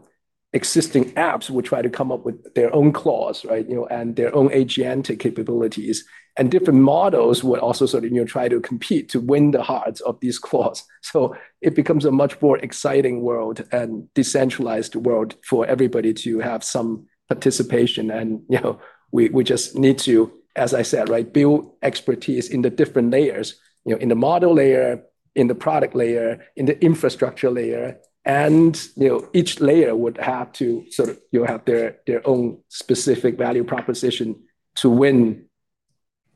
existing apps will try to come up with their own claws, right, you know, and their own agentic capabilities. Different models will also sort of, you know, try to compete to win the hearts of these claws. So it becomes a much more exciting world and decentralized world for everybody to have some participation. You know, we just need to, as I said, right, build expertise in the different layers. You know, in the model layer, in the product layer, in the infrastructure layer, and, you know, each layer would have to sort of, you know, have their own specific value proposition to win,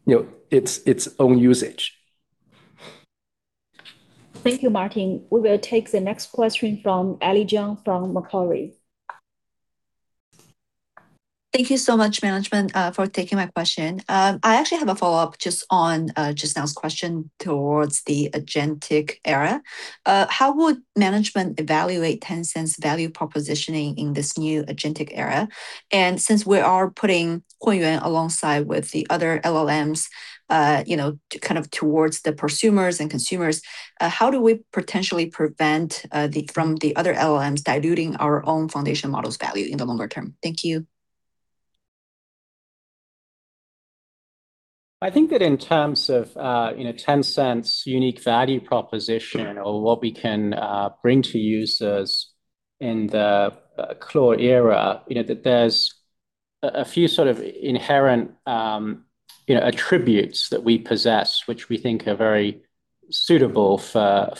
you know, its own usage. Thank you, Martin. We will take the next question from Ellie Jiang from Macquarie. Thank you so much, management, for taking my question. I actually have a follow-up just on just now's question towards the agentic era. How would management evaluate Tencent's value propositioning in this new agentic era? Since we are putting HunYuan alongside with the other LLMs, you know, kind of towards the prosumers and consumers, how do we potentially prevent from the other LLMs diluting our own foundation models value in the longer term? Thank you. I think that in terms of you know Tencent's unique value proposition or what we can bring to users in the Claw era you know that there's a few sort of inherent you know attributes that we possess which we think are very suitable for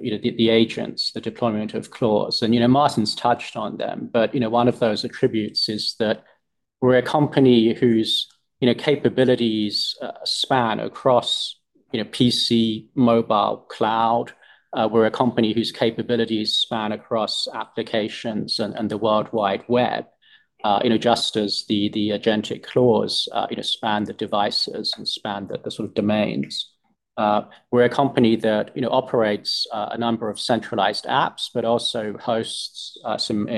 you know the agents the deployment of Claws. You know Martin's touched on them. You know one of those attributes is that we're a company whose you know capabilities span across you know PC mobile cloud. We're a company whose capabilities span across applications and the worldwide web you know just as the agentic claws you know span the devices and span the sort of domains. We're a company that, you know, operates a number of centralized apps, but also hosts some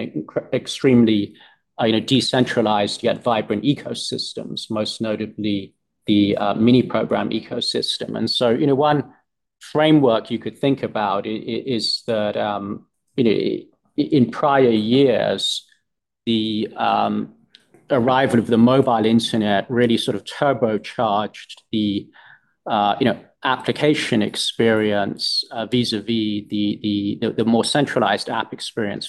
extremely, you know, decentralized yet vibrant ecosystems, most notably the Mini Programs ecosystem. One framework you could think about is that, you know, in prior years, the arrival of the mobile internet really sort of turbocharged the you know application experience vis-à-vis the you know the more centralized app experience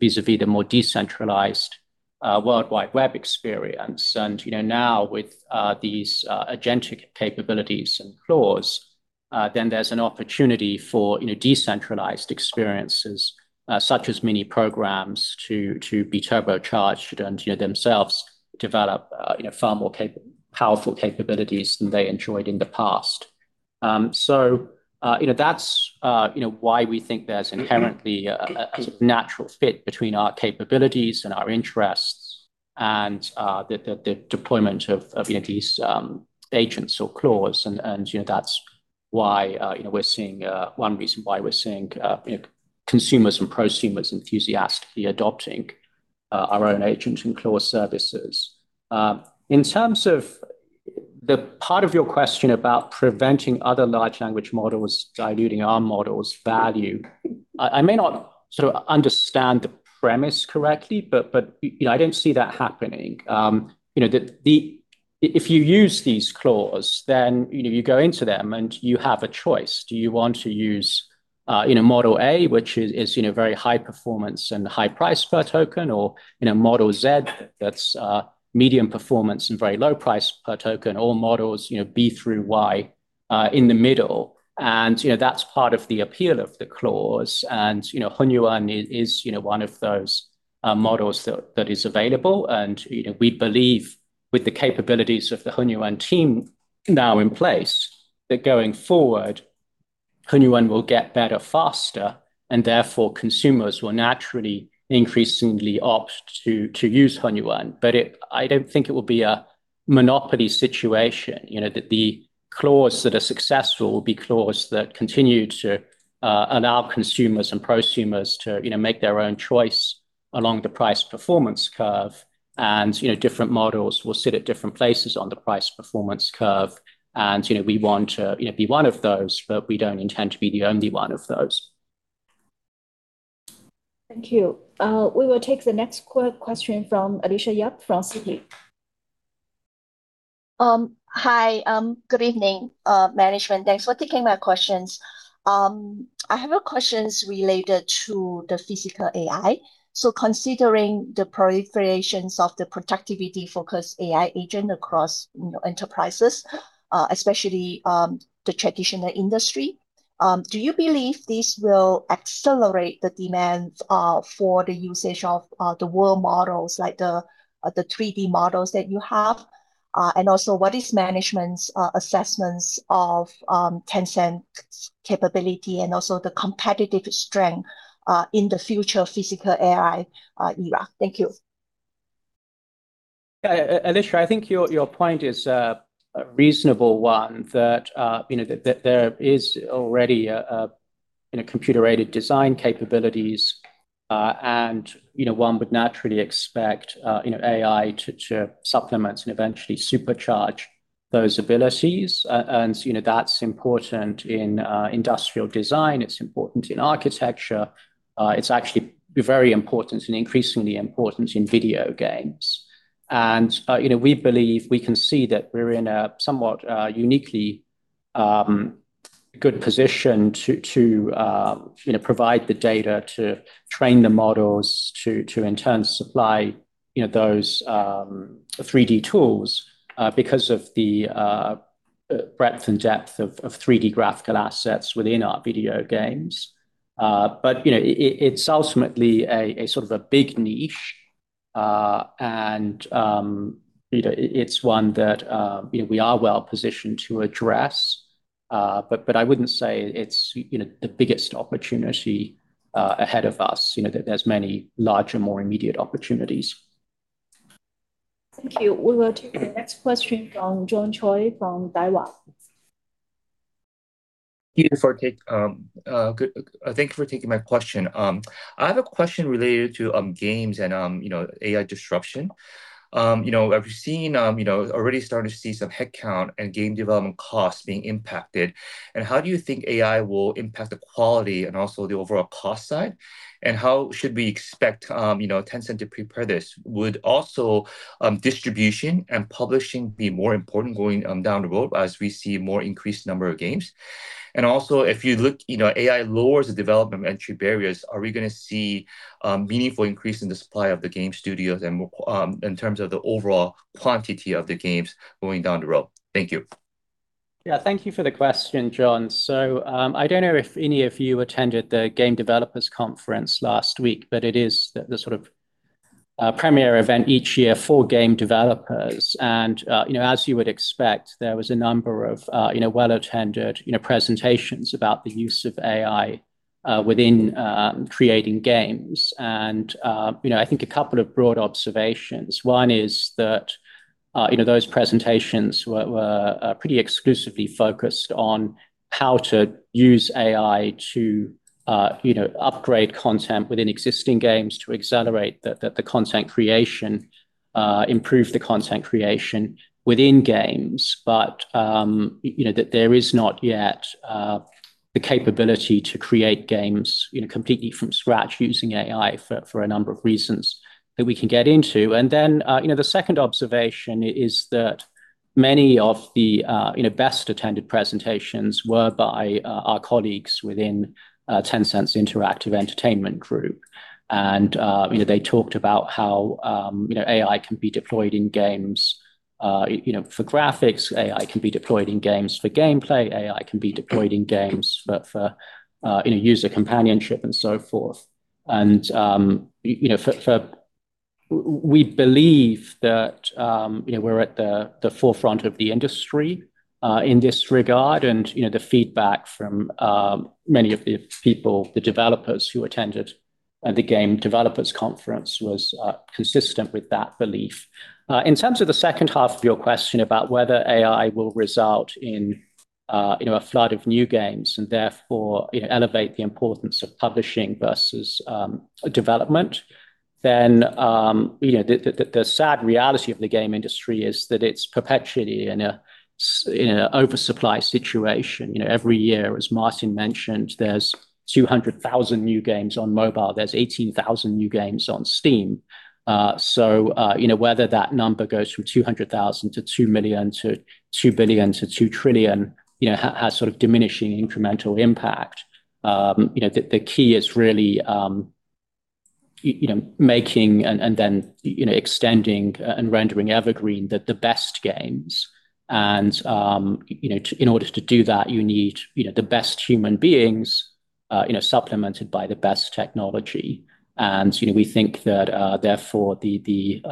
vis-à-vis the more decentralized worldwide web experience. Now with these agentic capabilities and OpenClaw, then there's an opportunity for, you know, decentralized experiences such as Mini Programs to be turbocharged and, you know, themselves develop far more powerful capabilities than they enjoyed in the past. You know, that's why we think there's inherently a sort of natural fit between our capabilities and our interests and the deployment of you know these agents or OpenClaws. You know, that's why you know we're seeing one reason why we're seeing you know consumers and prosumers enthusiastically adopting our own agents and OpenClaw services. In terms of the part of your question about preventing other large language models diluting our model's value, I may not sort of understand the premise correctly, but you know, I don't see that happening. You know, if you use these OpenClaws, then you know you go into them, and you have a choice. Do you want to use, you know, model A, which is, you know, very high performance and high price per token, or, you know, model Z that's medium performance and very low price per token, or models, you know, B through Y in the middle? You know, that's part of the appeal of OpenClaw. You know, HunYuan is, you know, one of those models that is available. You know, we believe with the capabilities of the HunYuan team now in place, that going forward, HunYuan will get better faster, and therefore consumers will naturally increasingly opt to use HunYuan. I don't think it will be a monopoly situation. You know, the clouds that are successful will be clouds that continue to allow consumers and prosumers to, you know, make their own choice along the price-performance curve. You know, different models will sit at different places on the price-performance curve. You know, we want to, you know, be one of those, but we don't intend to be the only one of those. Thank you. We will take the next question from Alicia Yap from Citi. Hi. Good evening, management. Thanks for taking my questions. I have a question related to the physical AI. Considering the proliferation of the productivity-focused AI agent across, you know, enterprises, especially the traditional industry, do you believe this will accelerate the demand for the usage of the world models like the 3D models that you have? And also what is management's assessment of Tencent's capability and also the competitive strength in the future physical AI era? Thank you. Yeah, Alicia Yap, I think your point is a reasonable one that you know that there is already computer-aided design capabilities and you know one would naturally expect you know AI to supplement and eventually supercharge those abilities. You know that's important in industrial design, it's important in architecture. It's actually very important and increasingly important in video games. You know we believe we can see that we're in a somewhat uniquely good position to you know provide the data to train the models to in turn supply you know those 3D tools because of the breadth and depth of 3D graphical assets within our video games. You know, it's ultimately a sort of a big niche, and you know, it's one that you know, we are well positioned to address. I wouldn't say it's you know, the biggest opportunity ahead of us. You know, there's many larger, more immediate opportunities. Thank you. We will take the next question from John Choi from Daiwa. Thank you for taking my question. I have a question related to games and you know, AI disruption. You know, we're seeing you know, already starting to see some headcount and game development costs being impacted. How do you think AI will impact the quality and also the overall cost side? How should we expect you know, Tencent to prepare this? Would distribution and publishing be more important going down the road as we see more increased number of games? If you look, you know, AI lowers the development entry barriers, are we gonna see meaningful increase in the supply of the game studios and we'll in terms of the overall quantity of the games going down the road? Thank you. Yeah. Thank you for the question, John. I don't know if any of you attended the Game Developers Conference last week, but it is the sort of premier event each year for game developers. You know, as you would expect, there was a number of well-attended presentations about the use of AI within creating games. You know, I think a couple of broad observations. One is that you know, those presentations were pretty exclusively focused on how to use AI to you know, upgrade content within existing games to accelerate the content creation, improve the content creation within games. You know that there is not yet the capability to create games, you know, completely from scratch using AI for a number of reasons that we can get into. You know, the second observation is that many of the, you know, best-attended presentations were by our colleagues within Tencent's Interactive Entertainment Group. You know, they talked about how, you know, AI can be deployed in games, you know, for graphics. AI can be deployed in games for gameplay. AI can be deployed in games for, you know, user companionship and so forth. You know, we believe that, you know, we're at the forefront of the industry in this regard. You know, the feedback from many of the people, the developers who attended the Game Developers Conference was consistent with that belief. In terms of the H2 of your question about whether AI will result in you know, a flood of new games and therefore, you know, elevate the importance of publishing versus development, then you know, the sad reality of the game industry is that it's perpetually in an oversupply situation. You know, every year, as Martin mentioned, there's 200,000 new games on mobile. There's 18,000 new games on Steam. So you know, whether that number goes from 200,000 to 2 million to 2 billion to 2 trillion, you know, has sort of diminishing incremental impact. You know, the key is really, you know, making and then, you know, extending and rendering evergreen the best games. You know, to, in order to do that, you need, you know, the best human beings, you know, supplemented by the best technology. You know, we think that, therefore, the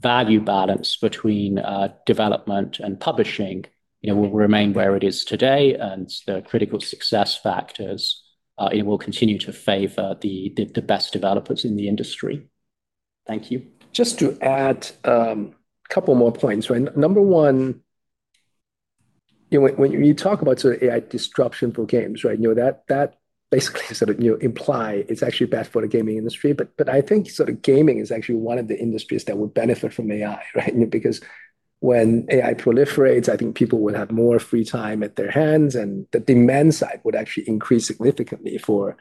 value balance between development and publishing, you know, will remain where it is today and the critical success factors, it will continue to favor the best developers in the industry. Thank you. Just to add a couple more points, right? Number one, you know, when you talk about sort of AI disruption for games, right? You know, that basically sort of, you know, imply it's actually bad for the gaming industry. But I think sort of gaming is actually one of the industries that would benefit from AI, right? You know, because when AI proliferates, I think people would have more free time at their hands, and the demand side would actually increase significantly for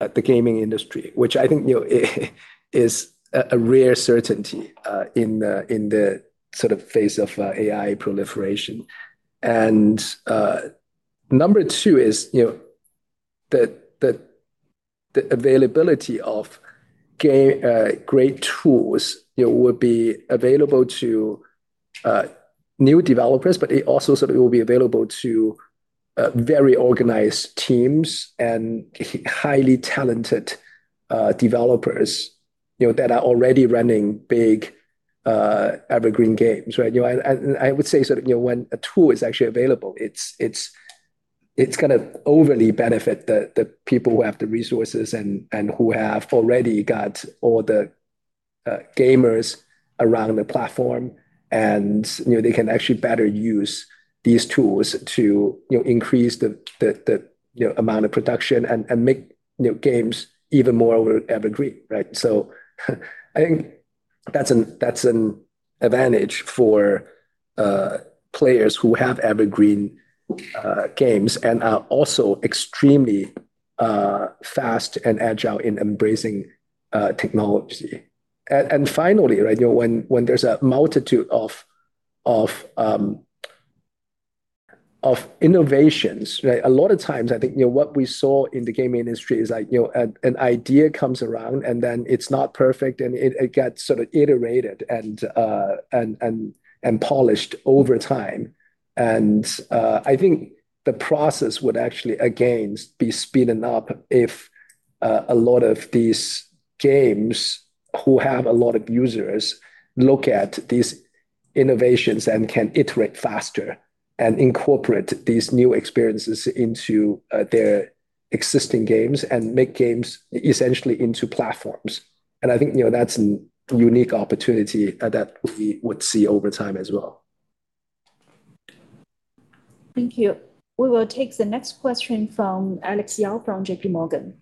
the gaming industry, which I think, you know, is a rare certainty in the sort of face of AI proliferation. Number two is, you know, the availability of great tools, you know, would be available to new developers, but it also sort of will be available to very organized teams and highly talented developers, you know, that are already running big evergreen games, right? You know, I would say sort of, you know, when a tool is actually available, it's gonna overly benefit the people who have the resources and who have already got all the gamers around the platform and, you know, they can actually better use these tools to, you know, increase the amount of production and make, you know, games even more evergreen, right? I think that's an advantage for players who have evergreen games and are also extremely fast and agile in embracing technology. Finally, right, you know, when there's a multitude of innovations, right? A lot of times I think, you know, what we saw in the game industry is like, you know, an idea comes around and then it's not perfect and it gets sort of iterated and polished over time. I think the process would actually, again, be speeding up if a lot of these games who have a lot of users look at these innovations and can iterate faster and incorporate these new experiences into their existing games and make games essentially into platforms. I think, you know, that's a unique opportunity that we would see over time as well. Thank you. We will take the next question from Alex Yao from JPMorgan.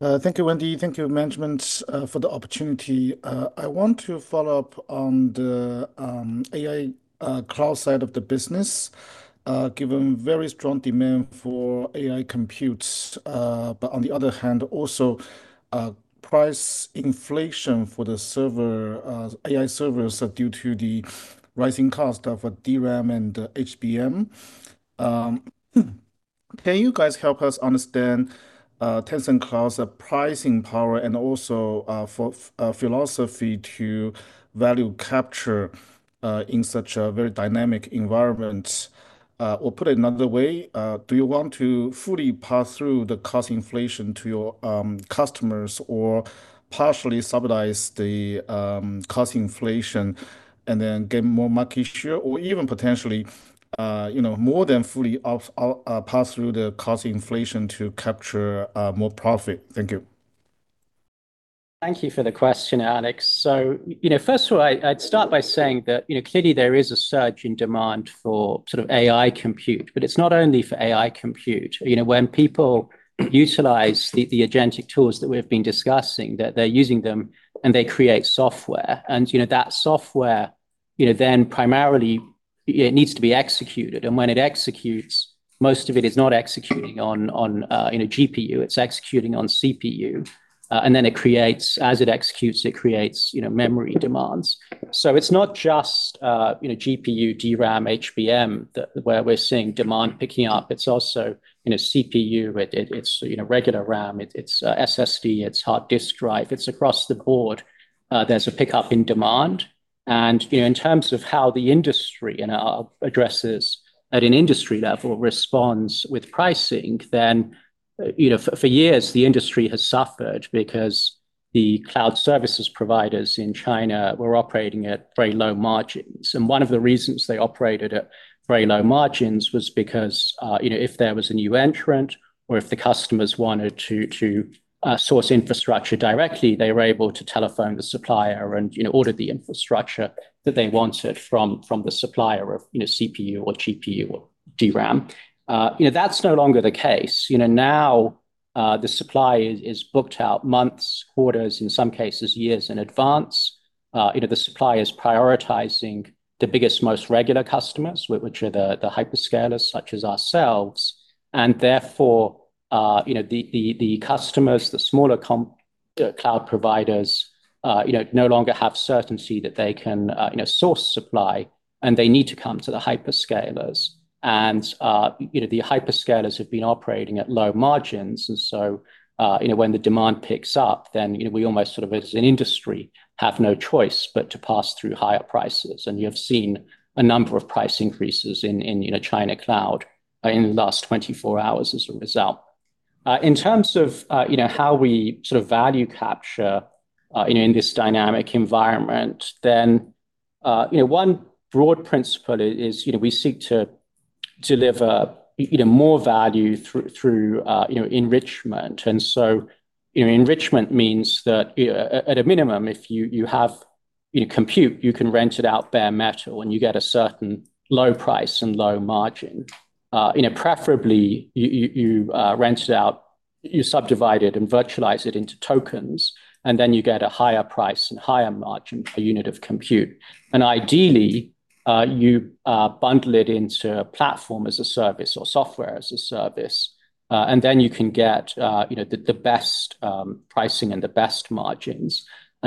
Thank you, Wendy. Thank you management for the opportunity. I want to follow up on the AI cloud side of the business, given very strong demand for AI compute. On the other hand, also, price inflation for the server AI servers due to the rising cost of DRAM and HBM. Can you guys help us understand Tencent Cloud's pricing power and also philosophy to value capture in such a very dynamic environment? Put it another way, do you want to fully pass through the cost inflation to your customers or partially subsidize the cost inflation and then gain more market share? Even potentially, you know, more than fully pass through the cost inflation to capture more profit? Thank you. Thank you for the question, Alex. You know, first of all, I'd start by saying that, you know, clearly there is a surge in demand for sort of AI compute, but it's not only for AI compute. You know, when people utilize the agentic tools that we've been discussing, they're using them and they create software. You know, that software, you know, then primarily, it needs to be executed. When it executes, most of it is not executing on a GPU. It's executing on CPU, and then as it executes, it creates, you know, memory demands. It's not just, you know, GPU, DRAM, HBM where we're seeing demand picking up. It's also, you know, CPU. It's, you know, regular RAM. It's SSD. It's hard disk drive. It's across the board, there's a pickup in demand. You know, in terms of how the industry, you know, addresses at an industry level responds with pricing, then, you know, for years the industry has suffered because the cloud services providers in China were operating at very low margins. One of the reasons they operated at very low margins was because, you know, if there was a new entrant or if the customers wanted to source infrastructure directly, they were able to telephone the supplier and, you know, order the infrastructure that they wanted from the supplier of, you know, CPU or GPU or DRAM. You know, that's no longer the case. You know, now, the supply is booked out months, quarters, in some cases, years in advance. You know, the supplier is prioritizing the biggest, most regular customers, which are the hyperscalers such as ourselves. Therefore, you know, the smaller cloud providers no longer have certainty that they can source supply, and they need to come to the hyperscalers. You know, the hyperscalers have been operating at low margins and so, you know, when the demand picks up, then, you know, we almost sort of as an industry have no choice but to pass through higher prices. You have seen a number of price increases in China cloud in the last 24 hours as a result. In terms of, you know, how we sort of value capture, you know, in this dynamic environment, then, you know, one broad principle is, you know, we seek to deliver, you know, more value through, you know, enrichment. Enrichment means that, you know, at a minimum, if you have, you know, compute, you can rent it out bare metal and you get a certain low price and low margin. You know, preferably you rent it out. You subdivide it and virtualize it into tokens, and then you get a higher price and higher margin per unit of compute. Ideally, you bundle it into a platform as a service or software as a service. Then you can get, you know, the best pricing and the best margins.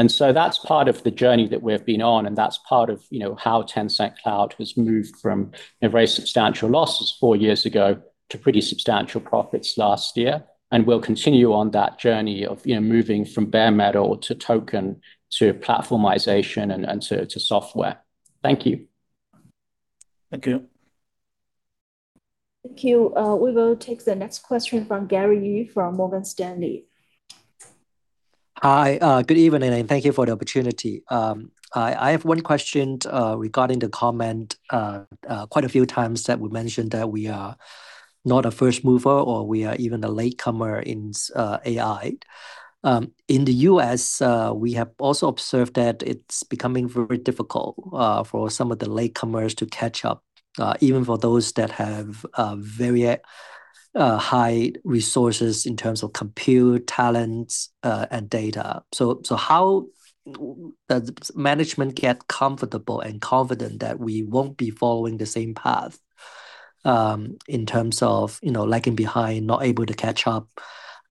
That's part of the journey that we've been on, and that's part of, you know, how Tencent Cloud has moved from a very substantial losses four years ago to pretty substantial profits last year. We'll continue on that journey of, you know, moving from bare metal to token to platformization and to software. Thank you. Thank you. Thank you. We will take the next question from Gary Yu from Morgan Stanley. Hi. Good evening, and thank you for the opportunity. I have one question regarding the comment quite a few times that we mentioned that we are not a first mover or we are even a latecomer in AI. In the U.S., we have also observed that it's becoming very difficult for some of the latecomers to catch up, even for those that have very high resources in terms of compute, talents, and data. How does management get comfortable and confident that we won't be following the same path in terms of, you know, lagging behind, not able to catch up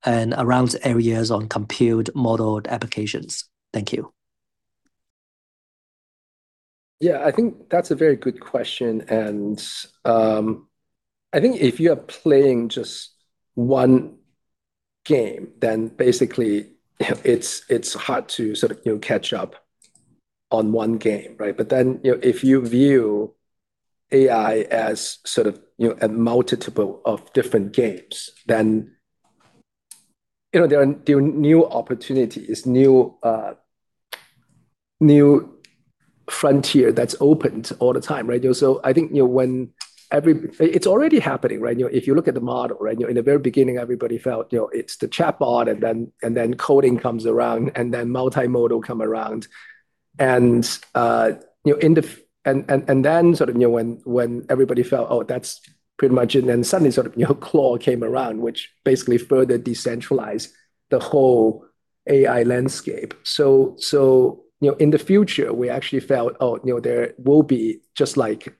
and around areas on compute modeled applications? Thank you. Yeah, I think that's a very good question. I think if you are playing just one game, then basically it's hard to sort of, you know, catch up on one game, right? You know, if you view AI as sort of, you know, a multiple of different games, then, you know, there are new opportunities, new frontier that's opened all the time, right? You know, I think, you know, It's already happening, right? You know, if you look at the model, right? You know, in the very beginning, everybody felt, you know, it's the chatbot, and then coding comes around, and then multimodal come around. You know, in the and then sort of, you know, when everybody felt, oh, that's pretty much it, and then suddenly sort of, you know, OpenClaw came around, which basically further decentralized the whole AI landscape. You know, in the future, we actually felt, oh, you know, there will be just like apps,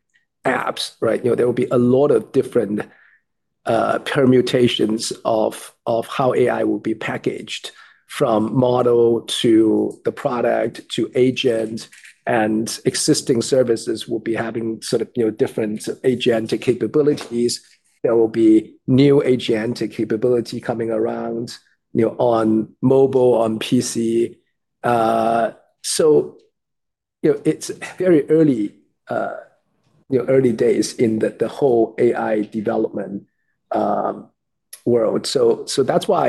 right? You know, there will be a lot of different permutations of how AI will be packaged, from model to the product to agent, and existing services will be having sort of, you know, different agentic capabilities. There will be new agentic capability coming around, you know, on mobile, on PC. You know, it's very early, you know, early days in the whole AI development world. That's why,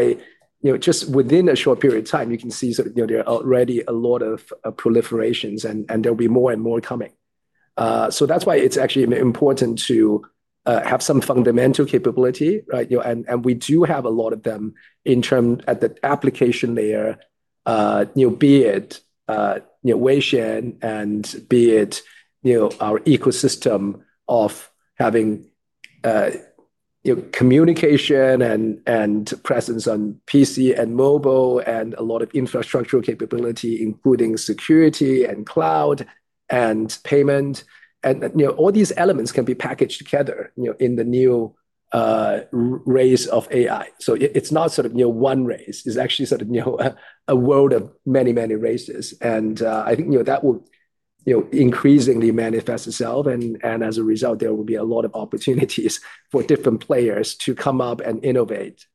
you know, just within a short period of time, you can see sort of, you know, there are already a lot of proliferations and there'll be more and more coming. That's why it's actually important to have some fundamental capability, right? You know, we do have a lot of them at the application layer, you know, be it Weixin and be it our ecosystem of having communication and presence on PC and mobile and a lot of infrastructural capability, including security and cloud and payment. You know, all these elements can be packaged together, you know, in the new race of AI. It's not sort of, you know, one race. It's actually sort of, you know, a world of many, many races. I think, you know, that will, you know, increasingly manifest itself and as a result, there will be a lot of opportunities for different players to come up and innovate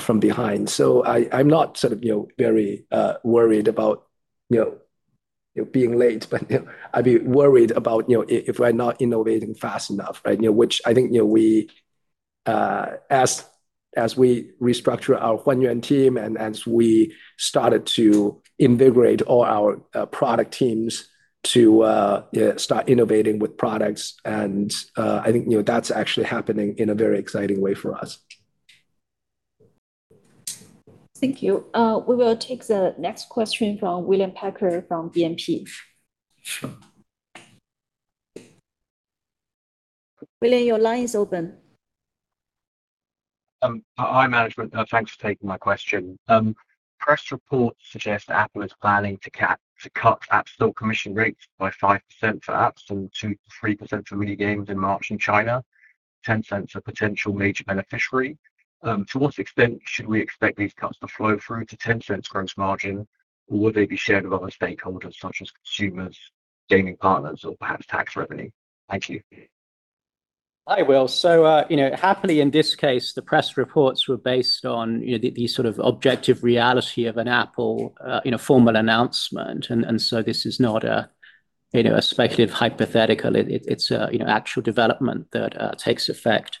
from behind. I'm not sort of, you know, very worried about, you know, being late, but I'd be worried about, you know, if we're not innovating fast enough, right? You know, which I think, you know, we as we restructure our HunYuan team and as we started to invigorate all our product teams to yeah start innovating with products and I think, you know, that's actually happening in a very exciting way for us. Thank you. We will take the next question from William Packer from BNP. William, your line is open. Hi, management. Thanks for taking my question. Press reports suggest Apple is planning to cut App Store commission rates by 5% for apps and 2%-3% for mini games in March in China. Tencent's a potential major beneficiary. To what extent should we expect these cuts to flow through to Tencent's gross margin, or would they be shared with other stakeholders such as consumers, gaming partners, or perhaps tax revenue? Thank you. Hi, William. You know, happily in this case, the press reports were based on, you know, the sort of objective reality of an Apple, you know, formal announcement. This is not a, you know, a speculative hypothetical. It's a, you know, actual development that takes effect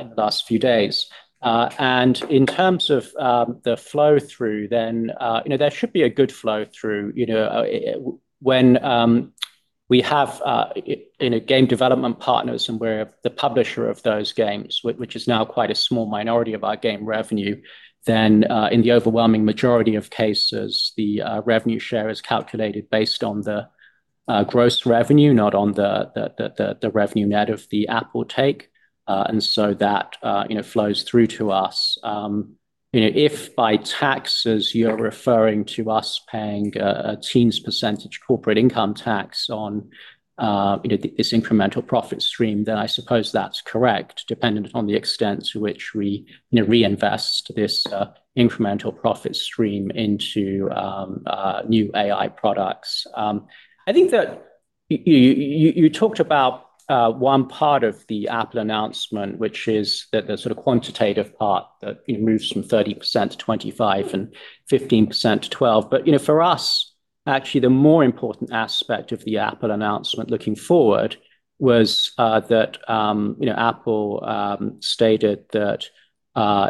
in the last few days. In terms of the flow through then, you know, there should be a good flow through. You know, when we have you know, game development partners and we're the publisher of those games, which is now quite a small minority of our game revenue, then in the overwhelming majority of cases, the revenue share is calculated based on the Gross revenue, not on the revenue net of the Apple take. That, you know, flows through to us. You know, if by taxes you're referring to us paying a teens percentage corporate income tax on, you know, this incremental profit stream, then I suppose that's correct, dependent on the extent to which we, you know, reinvest this incremental profit stream into new AI products. I think that you talked about one part of the Apple announcement, which is the sort of quantitative part that, you know, moves from 30%-25% and 15%-12%. You know, for us, actually the more important aspect of the Apple announcement looking forward was that you know, Apple stated that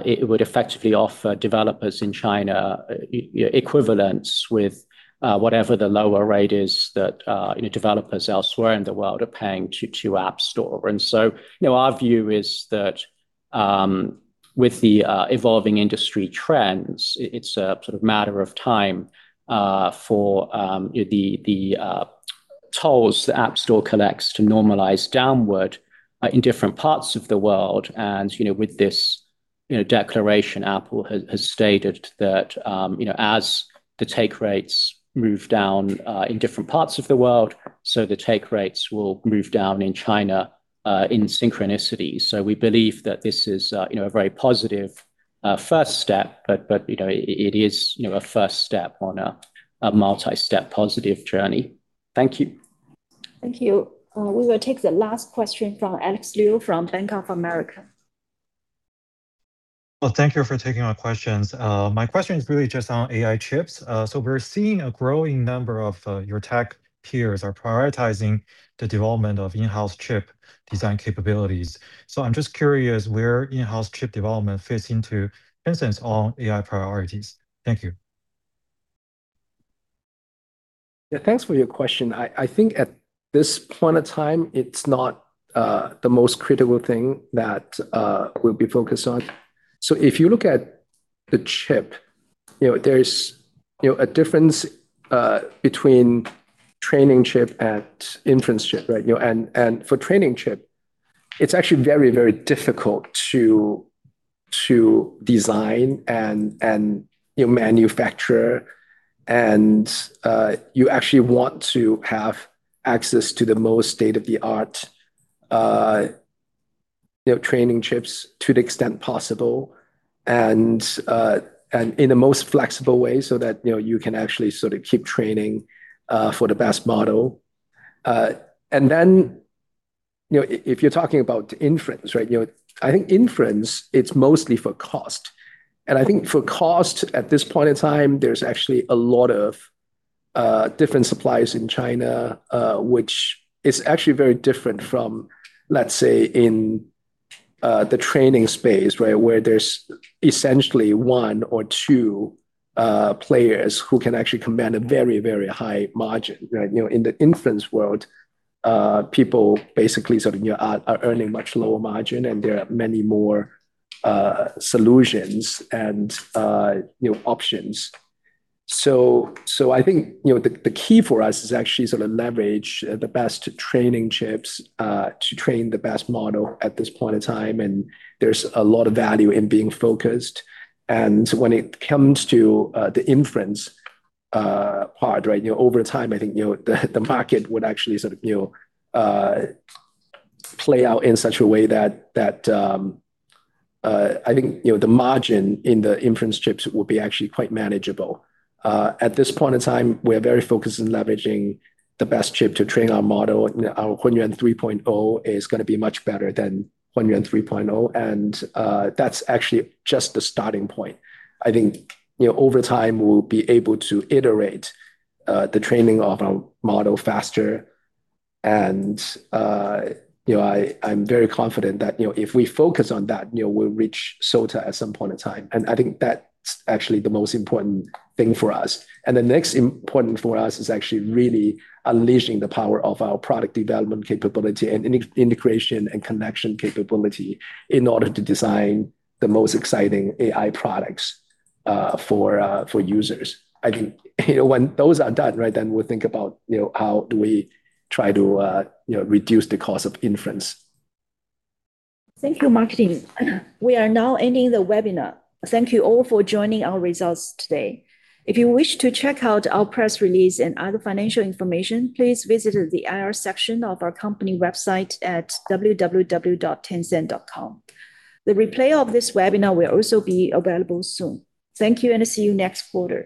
it would effectively offer developers in China equivalence with whatever the lower rate is that you know, developers elsewhere in the world are paying to App Store. Our view is that with the evolving industry trends, it's a sort of matter of time for the tolls the App Store collects to normalize downward in different parts of the world. With this declaration, Apple has stated that as the take rates move down in different parts of the world, so the take rates will move down in China in synchronicity. We believe that this is, you know, a very positive first step, but you know, it is, you know, a first step on a multi-step positive journey. Thank you. Thank you. We will take the last question from Alex Liu from Bank of America. Well, thank you for taking my questions. My question is really just on AI chips. We're seeing a growing number of your tech peers are prioritizing the development of in-house chip design capabilities. I'm just curious where in-house chip development fits into Tencent's own AI priorities. Thank you. Yeah, thanks for your question. I think at this point of time, it's not the most critical thing that we'll be focused on. So if you look at the chip, you know, there is, you know, a difference between training chip and inference chip, right? You know, and for training chip, it's actually very, very difficult to design and you manufacture, and you actually want to have access to the most state-of-the-art, you know, training chips to the extent possible and in the most flexible way so that, you know, you can actually sort of keep training for the best model. And then, you know, if you're talking about inference, right, you know, I think inference, it's mostly for cost. I think for cost at this point in time, there's actually a lot of different suppliers in China, which is actually very different from, let's say, in the training space, right, where there's essentially one player or two players who can actually command a very, very high margin, right? You know, in the inference world, people basically sort of, you know, are earning much lower margin, and there are many more solutions and, you know, options. So, I think, you know, the key for us is actually sort of leverage the best training chips to train the best model at this point in time, and there's a lot of value in being focused. When it comes to the inference part, right, you know, over time, I think, you know, the market would actually sort of, you know, play out in such a way that, I think, you know, the margin in the inference chips will be actually quite manageable. At this point in time, we're very focused on leveraging the best chip to train our model. Our HunYuan 3.0 is gonna be much better than HunYuan 3.0, and that's actually just the starting point. I think, you know, over time, we'll be able to iterate the training of our model faster and, you know, I'm very confident that, you know, if we focus on that, you know, we'll reach SOTA at some point in time. I think that's actually the most important thing for us. The next important for us is actually really unleashing the power of our product development capability and integration and connection capability in order to design the most exciting AI products for users. I think, you know, when those are done, right, then we'll think about, you know, how do we try to, you know, reduce the cost of inference. Thank you, Martin. We are now ending the webinar. Thank you all for joining our results today. If you wish to check out our press release and other financial information, please visit the IR section of our company website at www.tencent.com. The replay of this webinar will also be available soon. Thank you, and see you next quarter.